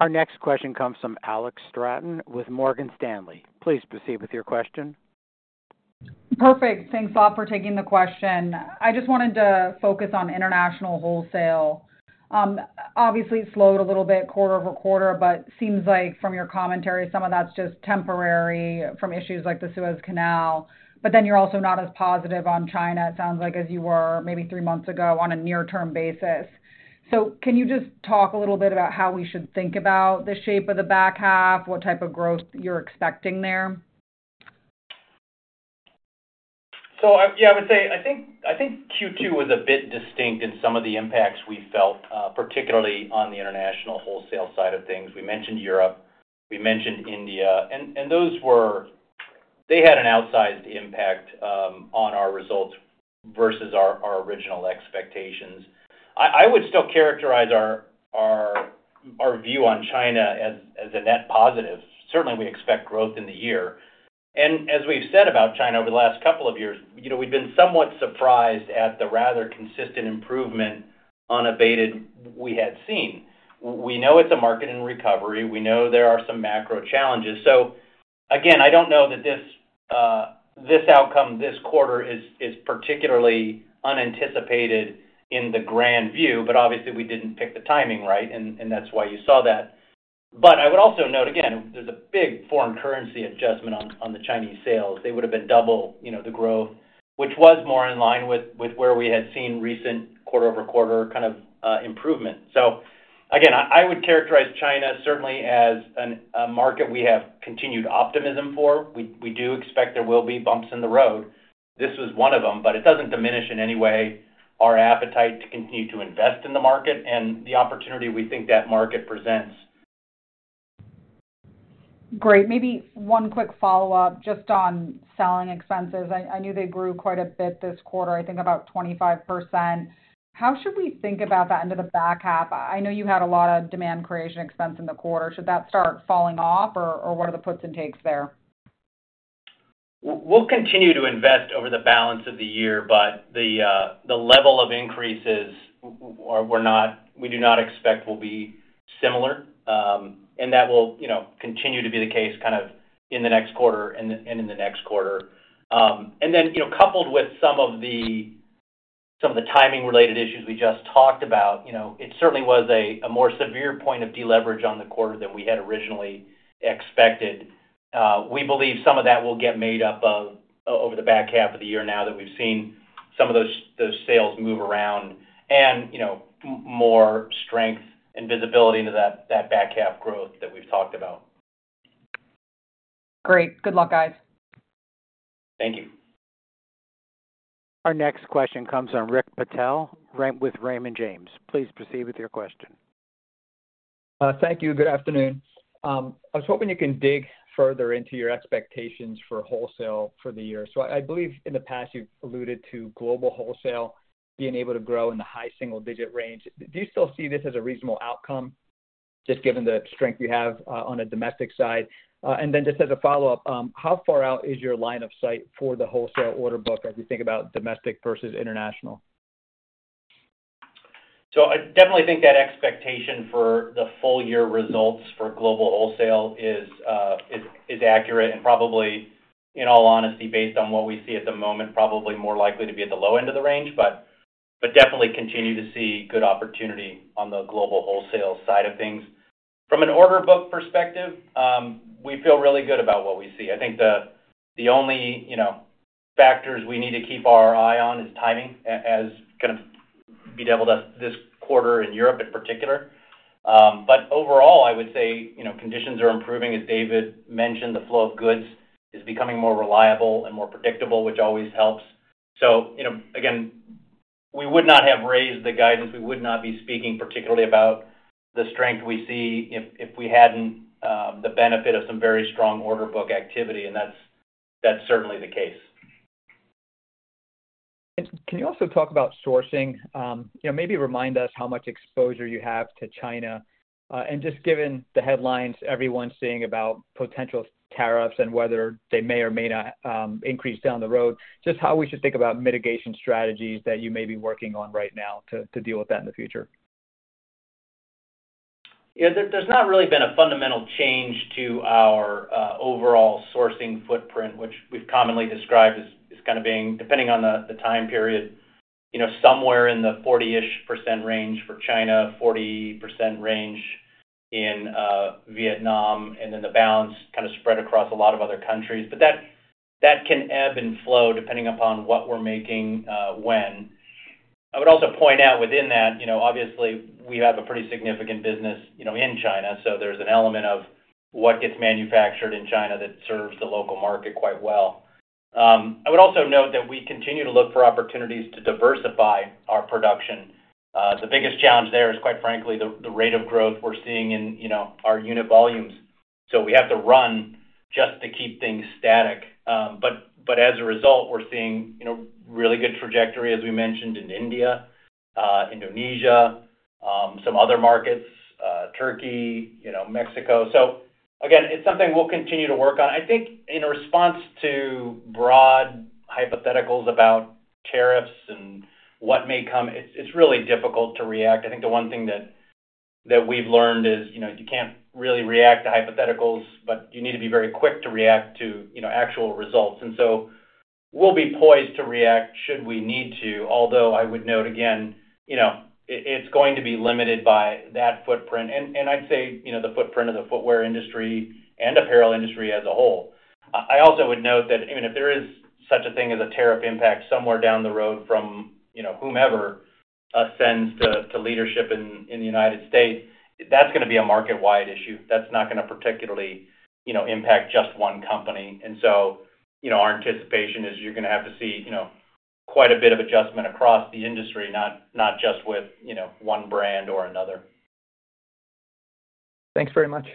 Our next question comes from Alex Straton with Morgan Stanley. Please proceed with your question. Perfect. Thanks a lot for taking the question. I just wanted to focus on international wholesale. Obviously, it slowed a little bit quarter-over-quarter, but seems like from your commentary, some of that's just temporary from issues like the Suez Canal, but then you're also not as positive on China, it sounds like, as you were maybe three months ago on a near-term basis. So can you just talk a little bit about how we should think about the shape of the back half, what type of growth you're expecting there? So yeah, I would say, I think, I think Q2 was a bit distinct in some of the impacts we felt, particularly on the international wholesale side of things. We mentioned Europe, we mentioned India, and those were, they had an outsized impact on our results versus our original expectations. I would still characterize our view on China as a net positive. Certainly, we expect growth in the year. And as we've said about China over the last couple of years, you know, we've been somewhat surprised at the rather consistent improvement unabated we had seen. We know it's a market in recovery. We know there are some macro challenges. So again, I don't know that this, this outcome, this quarter is, is particularly unanticipated in the grand view, but obviously, we didn't pick the timing right, and, and that's why you saw that. But I would also note, again, there's a big foreign currency adjustment on, on the Chinese sales. They would have been double, you know, the growth, which was more in line with, with where we had seen recent quarter-over-quarter kind of improvement. So again, I, I would characterize China certainly as a market we have continued optimism for. We, we do expect there will be bumps in the road. This was one of them, but it doesn't diminish in any way our appetite to continue to invest in the market and the opportunity we think that market presents. Great. Maybe one quick follow-up just on selling expenses. I, I know they grew quite a bit this quarter, I think about 25%. How should we think about that into the back half? I know you had a lot of demand creation expense in the quarter. Should that start falling off, or, or what are the puts and takes there? We'll continue to invest over the balance of the year, but the level of increases we're not, we do not expect will be similar. And that will, you know, continue to be the case kind of in the next quarter and in the next quarter. And then, you know, coupled with some of the timing-related issues we just talked about, you know, it certainly was a more severe point of deleverage on the quarter than we had originally expected. We believe some of that will get made up over the back half of the year, now that we've seen some of those sales move around and, you know, more strength and visibility into that back half growth that we've talked about. Great. Good luck, guys. Thank you. Our next question comes from Rick Patel from Raymond James. Please proceed with your question. Thank you. Good afternoon. I was hoping you can dig further into your expectations for wholesale for the year. So I believe in the past, you've alluded to global wholesale being able to grow in the high single-digit range. Do you still see this as a reasonable outcome, just given the strength you have on the domestic side? And then just as a follow-up, how far out is your line of sight for the wholesale order book as you think about domestic versus international? So I definitely think that expectation for the full year results for global wholesale is, is accurate and probably, in all honesty, based on what we see at the moment, probably more likely to be at the low end of the range. But definitely continue to see good opportunity on the global wholesale side of things. From an order book perspective, we feel really good about what we see. I think the only, you know, factors we need to keep our eye on is timing, as kind of bedeviled us this quarter in Europe in particular. But overall, I would say, you know, conditions are improving. As David mentioned, the flow of goods is becoming more reliable and more predictable, which always helps. So, you know, again, we would not have raised the guidance. We would not be speaking particularly about the strength we see if, if we hadn't the benefit of some very strong order book activity, and that's, that's certainly the case. Can you also talk about sourcing? You know, maybe remind us how much exposure you have to China. And just given the headlines everyone's seeing about potential tariffs and whether they may or may not increase down the road, just how we should think about mitigation strategies that you may be working on right now to deal with that in the future. Yeah, there, there's not really been a fundamental change to our overall sourcing footprint, which we've commonly described as kind of being, depending on the time period, you know, somewhere in the 40-ish% range for China, 40% range in Vietnam, and then the balance kind of spread across a lot of other countries. But that can ebb and flow depending upon what we're making, when. I would also point out within that, you know, obviously, we have a pretty significant business, you know, in China, so there's an element of what gets manufactured in China that serves the local market quite well. I would also note that we continue to look for opportunities to diversify our production. The biggest challenge there is, quite frankly, the rate of growth we're seeing in, you know, our unit volumes. So we have to run just to keep things static. But as a result, we're seeing, you know, really good trajectory, as we mentioned in India, Indonesia, some other markets, Turkey, you know, Mexico. So again, it's something we'll continue to work on. I think in response to broad hypotheticals about tariffs and what may come, it's really difficult to react. I think the one thing that we've learned is, you know, you can't really react to hypotheticals, but you need to be very quick to react to, you know, actual results. And so we'll be poised to react should we need to. Although I would note, again, you know, it's going to be limited by that footprint, and I'd say, you know, the footprint of the footwear industry and apparel industry as a whole. I also would note that, even if there is such a thing as a tariff impact somewhere down the road from, you know, whomever ascends to leadership in the United States, that's gonna be a market-wide issue. That's not gonna particularly, you know, impact just one company. And so, you know, our anticipation is you're gonna have to see, you know, quite a bit of adjustment across the industry, not just with, you know, one brand or another. Thanks very much.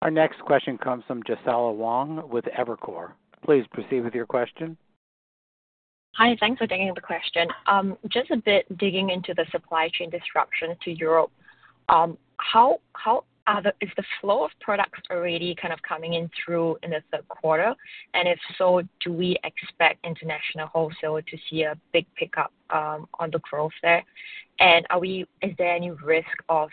Our next question comes from Jesalyn Wong with Evercore. Please proceed with your question. Hi, thanks for taking the question. Just a bit digging into the supply chain disruption to Europe, how is the flow of products already kind of coming in through in the third quarter? And if so, do we expect international wholesale to see a big pickup on the growth there? And is there any risk of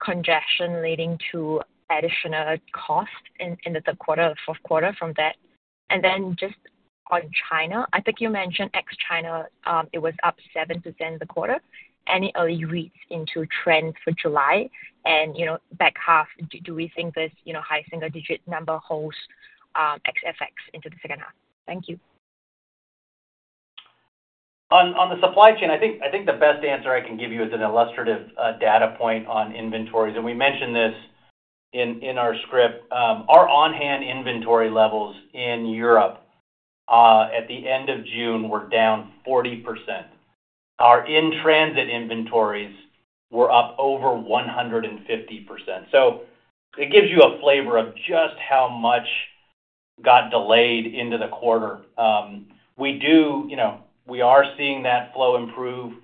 congestion leading to additional cost in the third quarter or fourth quarter from that? And then just on China, I think you mentioned ex-China, it was up 7% in the quarter. Any early reads into trend for July? And, you know, back half, do we think this, you know, high single digit number holds ex FX into the second half? Thank you. On the supply chain, I think the best answer I can give you is an illustrative data point on inventories, and we mentioned this in our script. Our on-hand inventory levels in Europe at the end of June were down 40%. Our in-transit inventories were up over 150%. So it gives you a flavor of just how much got delayed into the quarter. You know, we are seeing that flow improve.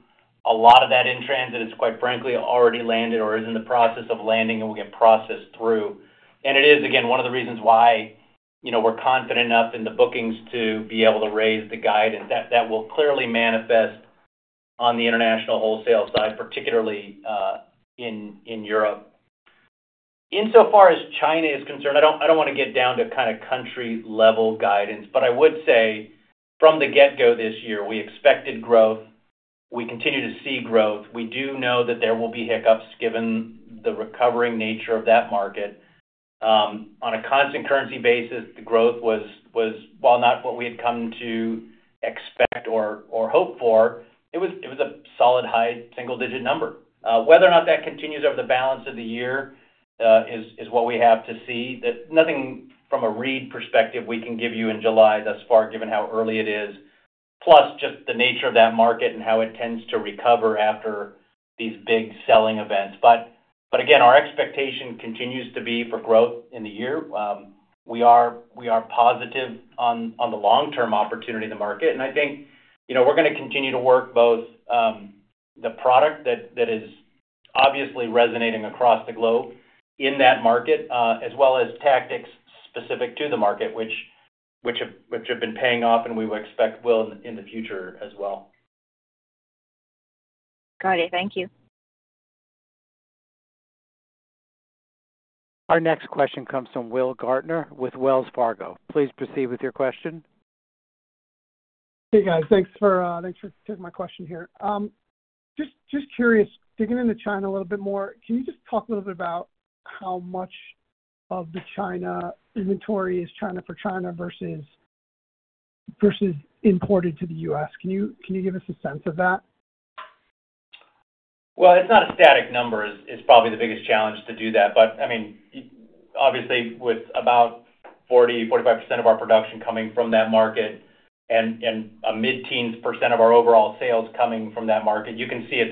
A lot of that in-transit is, quite frankly, already landed or is in the process of landing and will get processed through. And it is, again, one of the reasons why, you know, we're confident enough in the bookings to be able to raise the guide, and that will clearly manifest on the international wholesale side, particularly in Europe. Insofar as China is concerned, I don't want to get down to kind of country-level guidance, but I would say from the get-go this year, we expected growth. We continue to see growth. We do know that there will be hiccups, given the recovering nature of that market. On a constant currency basis, the growth was, while not what we had come to expect or hope for, it was a solid, high single-digit number. Whether or not that continues over the balance of the year, is what we have to see. That, nothing from a read perspective we can give you in July thus far, given how early it is, plus just the nature of that market and how it tends to recover after these big selling events. But again, our expectation continues to be for growth in the year. We are positive on the long-term opportunity in the market. And I think, you know, we're going to continue to work both the product that is obviously resonating across the globe in that market, as well as tactics specific to the market, which have been paying off and we would expect will in the future as well. Got it. Thank you. Our next question comes from Will Gaertner with Wells Fargo. Please proceed with your question. Hey, guys. Thanks for taking my question here. Just curious, digging into China a little bit more, can you just talk a little bit about how much of the China inventory is China for China versus imported to the U.S.? Can you give us a sense of that? Well, it's not a static number. It's probably the biggest challenge to do that. But I mean, obviously, with about 40%-45% of our production coming from that market and a mid-teens % of our overall sales coming from that market, you can see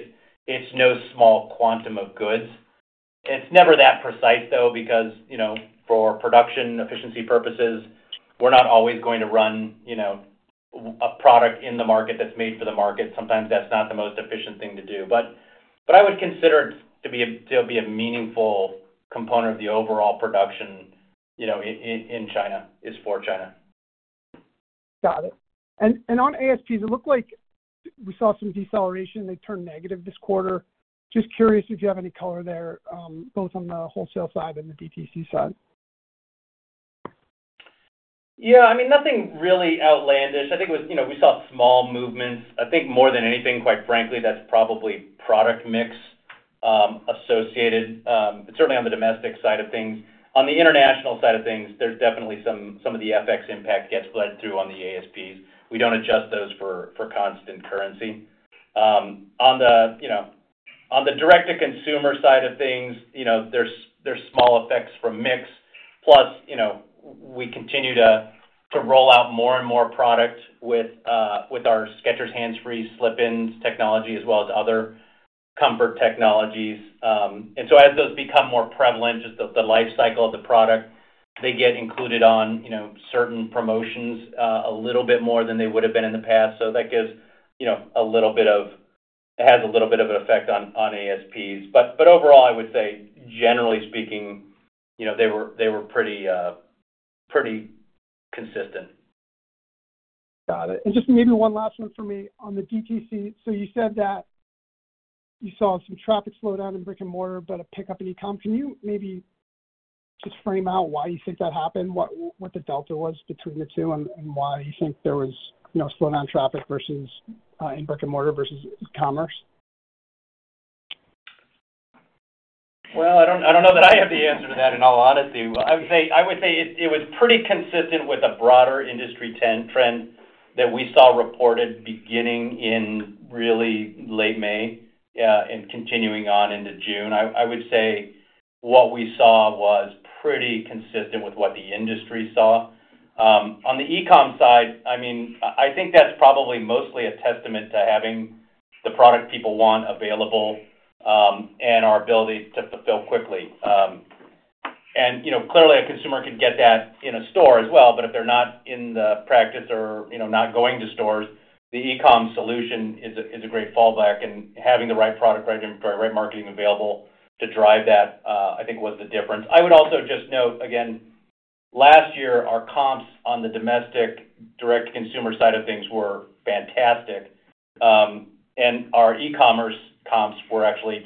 it's no small quantum of goods. It's never that precise, though, because, you know, for production efficiency purposes, we're not always going to run, you know, a product in the market that's made for the market. Sometimes that's not the most efficient thing to do. But I would consider it to be a meaningful component of the overall production, you know, in China, is for China. Got it. And, and on ASPs, it looked like we saw some deceleration. They turned negative this quarter. Just curious if you have any color there, both on the wholesale side and the DTC side. Yeah, I mean, nothing really outlandish. I think it was... You know, we saw small movements. I think more than anything, quite frankly, that's probably product mix, associated, certainly on the domestic side of things. On the international side of things, there's definitely some of the FX impact gets bled through on the ASPs. We don't adjust those for constant currency. On the, you know, on the direct-to-consumer side of things, you know, there's small effects from mix. Plus, you know, we continue to roll out more and more product with our Skechers Hands Free Slip-ins technology, as well as other comfort technologies. And so as those become more prevalent, just the life cycle of the product, they get included on certain promotions a little bit more than they would have been in the past. So that gives, you know, a little bit of an effect on ASPs. But overall, I would say, generally speaking, you know, they were pretty consistent. Got it. And just maybe one last one for me on the DTC. So you said that you saw some traffic slowdown in brick-and-mortar, but a pickup in e-com. Can you maybe just frame out why you think that happened, what the delta was between the two, and why you think there was, you know, slowdown traffic versus in brick-and-mortar versus commerce? Well, I don't know that I have the answer to that, in all honesty. I would say it was pretty consistent with a broader industry trend that we saw reported beginning in really late May, and continuing on into June. I would say what we saw was pretty consistent with what the industry saw. On the e-com side, I mean, I think that's probably mostly a testament to having the product people want available, and our ability to fulfill quickly. And, you know, clearly, a consumer could get that in a store as well, but if they're not in the practice or, you know, not going to stores, the e-com solution is a great fallback, and having the right product, right, or right marketing available to drive that, I think was the difference. I would also just note, again, last year, our comps on the domestic direct-to-consumer side of things were fantastic. And our e-commerce comps were actually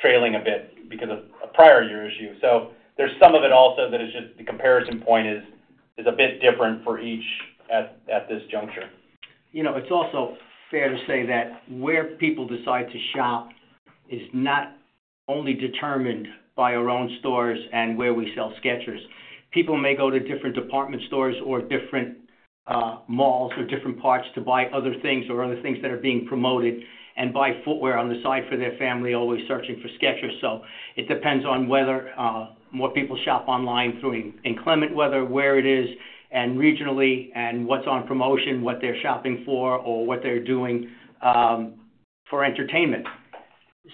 trailing a bit because of a prior year issue. So there's some of it also that it's just the comparison point is a bit different for each at this juncture. You know, it's also fair to say that where people decide to shop is not only determined by our own stores and where we sell Skechers. People may go to different department stores or different malls or different parts to buy other things or other things that are being promoted, and buy footwear on the side for their family, always searching for Skechers. So it depends on whether more people shop online through inclement weather, where it is, and regionally, and what's on promotion, what they're shopping for, or what they're doing for entertainment.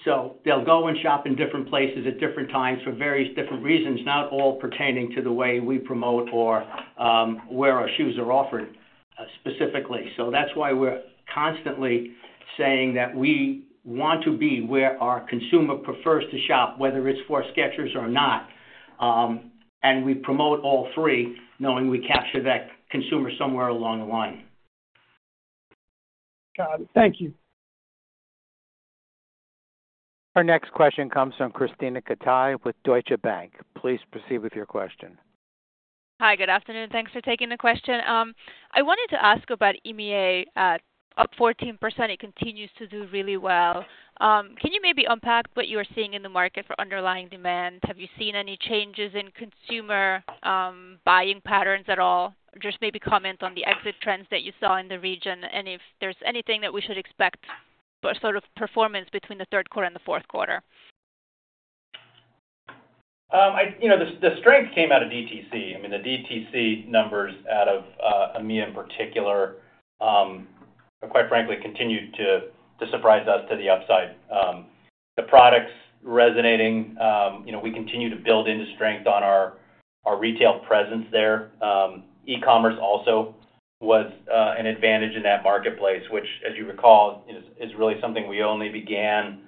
So they'll go and shop in different places at different times for various different reasons, not all pertaining to the way we promote or where our shoes are offered specifically. That's why we're constantly saying that we want to be where our consumer prefers to shop, whether it's for Skechers or not. We promote all three, knowing we capture that consumer somewhere along the line. Got it. Thank you. Our next question comes from Krisztina Katai with Deutsche Bank. Please proceed with your question. Hi, good afternoon. Thanks for taking the question. I wanted to ask about EMEA. Up 14%, it continues to do really well. Can you maybe unpack what you are seeing in the market for underlying demand? Have you seen any changes in consumer buying patterns at all? Just maybe comment on the exit trends that you saw in the region, and if there's anything that we should expect for sort of performance between the third quarter and the fourth quarter. You know, the strength came out of DTC. I mean, the DTC numbers out of EMEA in particular, quite frankly, continued to surprise us to the upside. The product's resonating. You know, we continue to build into strength on our retail presence there. E-commerce also was an advantage in that marketplace, which, as you recall, is really something we only began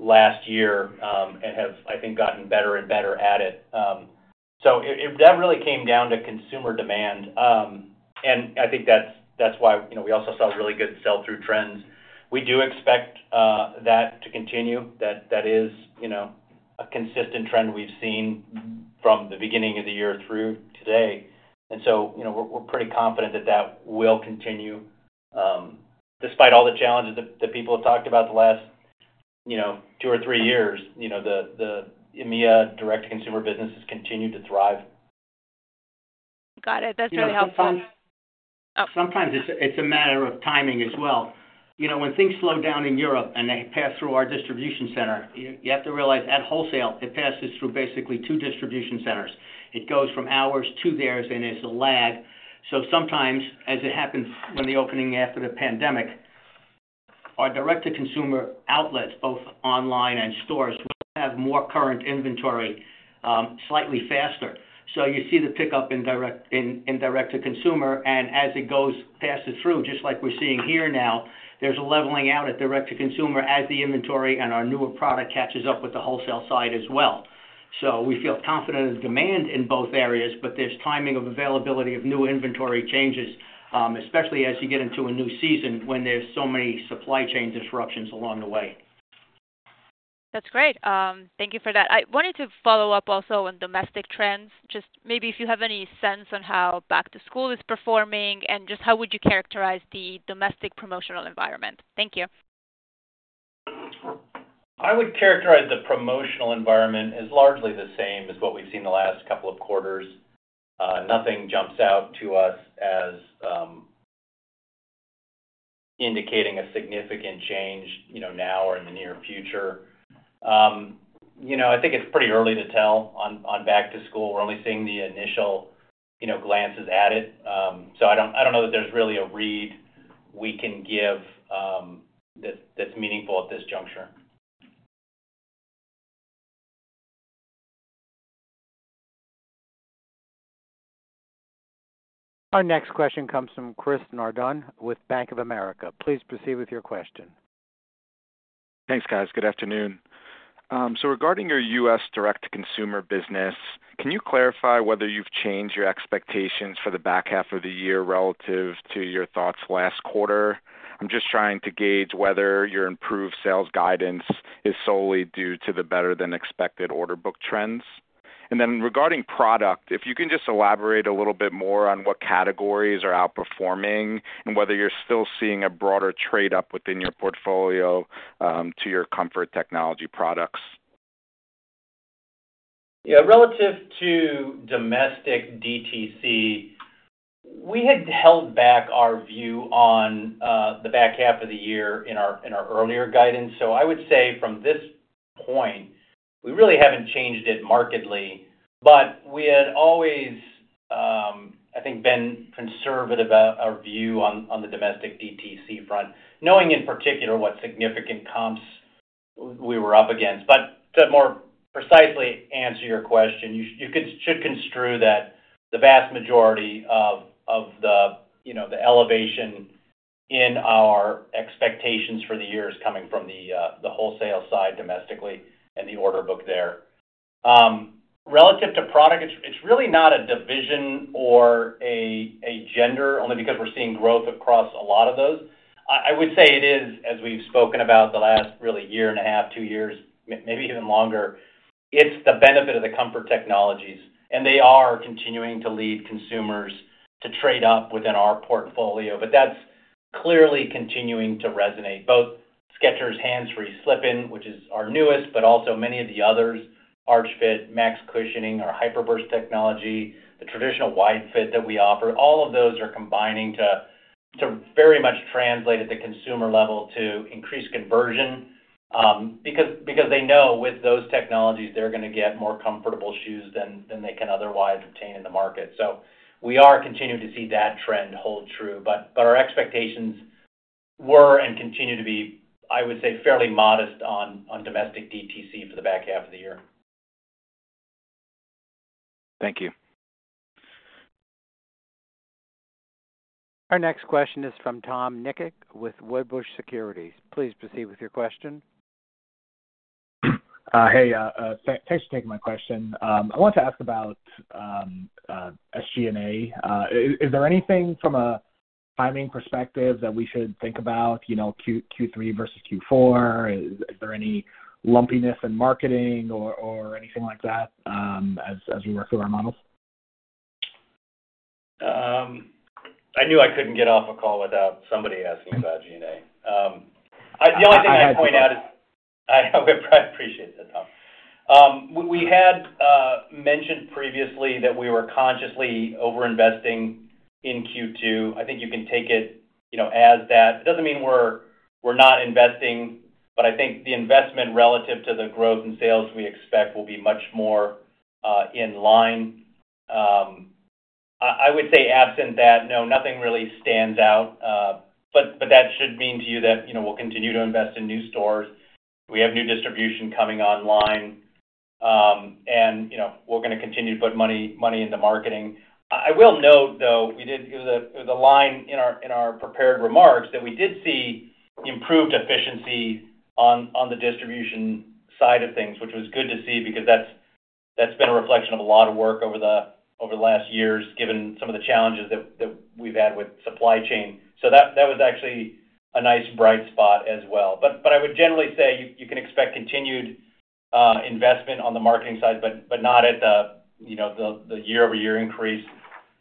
last year, and have, I think, gotten better and better at it. So, it that really came down to consumer demand. And I think that's why, you know, we also saw really good sell-through trends. We do expect that to continue. That is, you know, a consistent trend we've seen from the beginning of the year through today. And so, you know, we're pretty confident that will continue. Despite all the challenges that people have talked about the last, you know, two or three years, you know, the EMEA direct-to-consumer business has continued to thrive. Got it. That's really helpful. Sometimes- Oh. Sometimes it's a matter of timing as well. You know, when things slow down in Europe and they pass through our distribution center, you have to realize, at wholesale, it passes through basically two distribution centers. It goes from ours to theirs, and there's a lag. So sometimes, as it happens, when the opening after the pandemic, our direct-to-consumer outlets, both online and stores, will have more current inventory, slightly faster. So you see the pickup in direct-to-consumer, and as it passes through, just like we're seeing here now, there's a leveling out at direct-to-consumer as the inventory and our newer product catches up with the wholesale side as well. So we feel confident of demand in both areas, but there's timing of availability of new inventory changes, especially as you get into a new season, when there's so many supply chain disruptions along the way. That's great. Thank you for that. I wanted to follow up also on domestic trends. Just maybe if you have any sense on how back-to-school is performing, and just how would you characterize the domestic promotional environment? Thank you. I would characterize the promotional environment as largely the same as what we've seen the last couple of quarters. Nothing jumps out to us as indicating a significant change, you know, now or in the near future. You know, I think it's pretty early to tell on back to school. We're only seeing the initial, you know, glances at it. So I don't know that there's really a read we can give, that's meaningful at this juncture. Our next question comes from Chris Nardone with Bank of America. Please proceed with your question. Thanks, guys. Good afternoon. So regarding your U.S. direct-to-consumer business, can you clarify whether you've changed your expectations for the back half of the year relative to your thoughts last quarter? I'm just trying to gauge whether your improved sales guidance is solely due to the better-than-expected order book trends. And then regarding product, if you can just elaborate a little bit more on what categories are outperforming, and whether you're still seeing a broader trade-up within your portfolio, to your comfort technology products? Yeah, relative to domestic DTC. We had held back our view on the back half of the year in our earlier guidance. So I would say from this point, we really haven't changed it markedly, but we had always, I think, been conservative about our view on the domestic DTC front, knowing in particular what significant comps we were up against. But to more precisely answer your question, you should construe that the vast majority of the elevation in our expectations for the year is coming from the wholesale side domestically and the order book there. Relative to product, it's really not a division or a gender, only because we're seeing growth across a lot of those. I would say it is, as we've spoken about the last really year and a half, two years, maybe even longer, it's the benefit of the comfort technologies, and they are continuing to lead consumers to trade up within our portfolio. But that's clearly continuing to resonate. Both Skechers Hands Free Slip-ins, which is our newest, but also many of the others, Arch Fit, Max Cushioning, our HYPER BURST technology, the traditional wide fit that we offer, all of those are combining to very much translate at the consumer level to increase conversion. Because they know with those technologies, they're going to get more comfortable shoes than they can otherwise obtain in the market. So we are continuing to see that trend hold true, but, but our expectations were and continue to be, I would say, fairly modest on, on domestic DTC for the back half of the year. Thank you. Our next question is from Tom Nikic with Wedbush Securities. Please proceed with your question. Hey, thanks for taking my question. I want to ask about SG&A. Is there anything from a timing perspective that we should think about, you know, Q3 versus Q4? Is there any lumpiness in marketing or anything like that, as we work through our models? I knew I couldn't get off a call without somebody asking about G&A. The only thing I'd point out is I appreciate that, Tom. We had mentioned previously that we were consciously overinvesting in Q2. I think you can take it, you know, as that. It doesn't mean we're not investing, but I think the investment relative to the growth in sales we expect will be much more in line. I would say absent that, no, nothing really stands out. But that should mean to you that, you know, we'll continue to invest in new stores. We have new distribution coming online. And, you know, we're going to continue to put money into marketing. I will note, though, there was a line in our prepared remarks that we did see improved efficiency on the distribution side of things, which was good to see because that's been a reflection of a lot of work over the last years, given some of the challenges that we've had with supply chain. So that was actually a nice, bright spot as well. But I would generally say you can expect continued investment on the marketing side, but not at the, you know, the year-over-year increase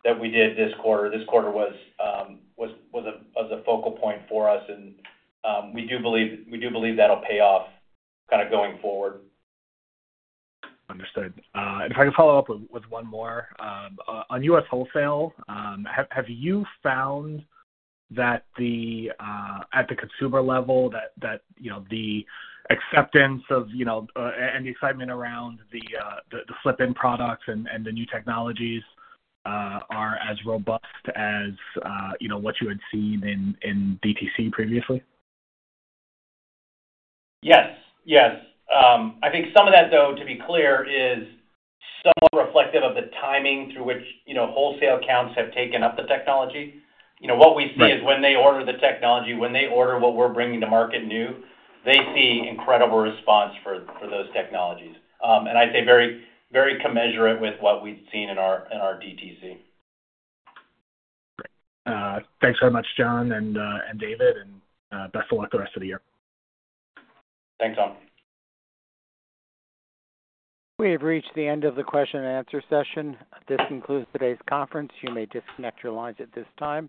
that we did this quarter. This quarter was a focal point for us, and we do believe that'll pay off kind of going forward. Understood. If I could follow up with one more. On U.S. wholesale, have you found that at the consumer level, that you know, the acceptance of you know and the excitement around the Slip-In products and the new technologies are as robust as you know, what you had seen in DTC previously? Yes, yes. I think some of that, though, to be clear, is somewhat reflective of the timing through which, you know, wholesale accounts have taken up the technology. You know, what we see- Right. Is when they order the technology, when they order what we're bringing to market new, they see incredible response for those technologies. And I'd say very, very commensurate with what we've seen in our DTC. Thanks very much, John and David, and best of luck the rest of the year. Thanks, Tom. We have reached the end of the question and answer session. This concludes today's conference. You may disconnect your lines at this time.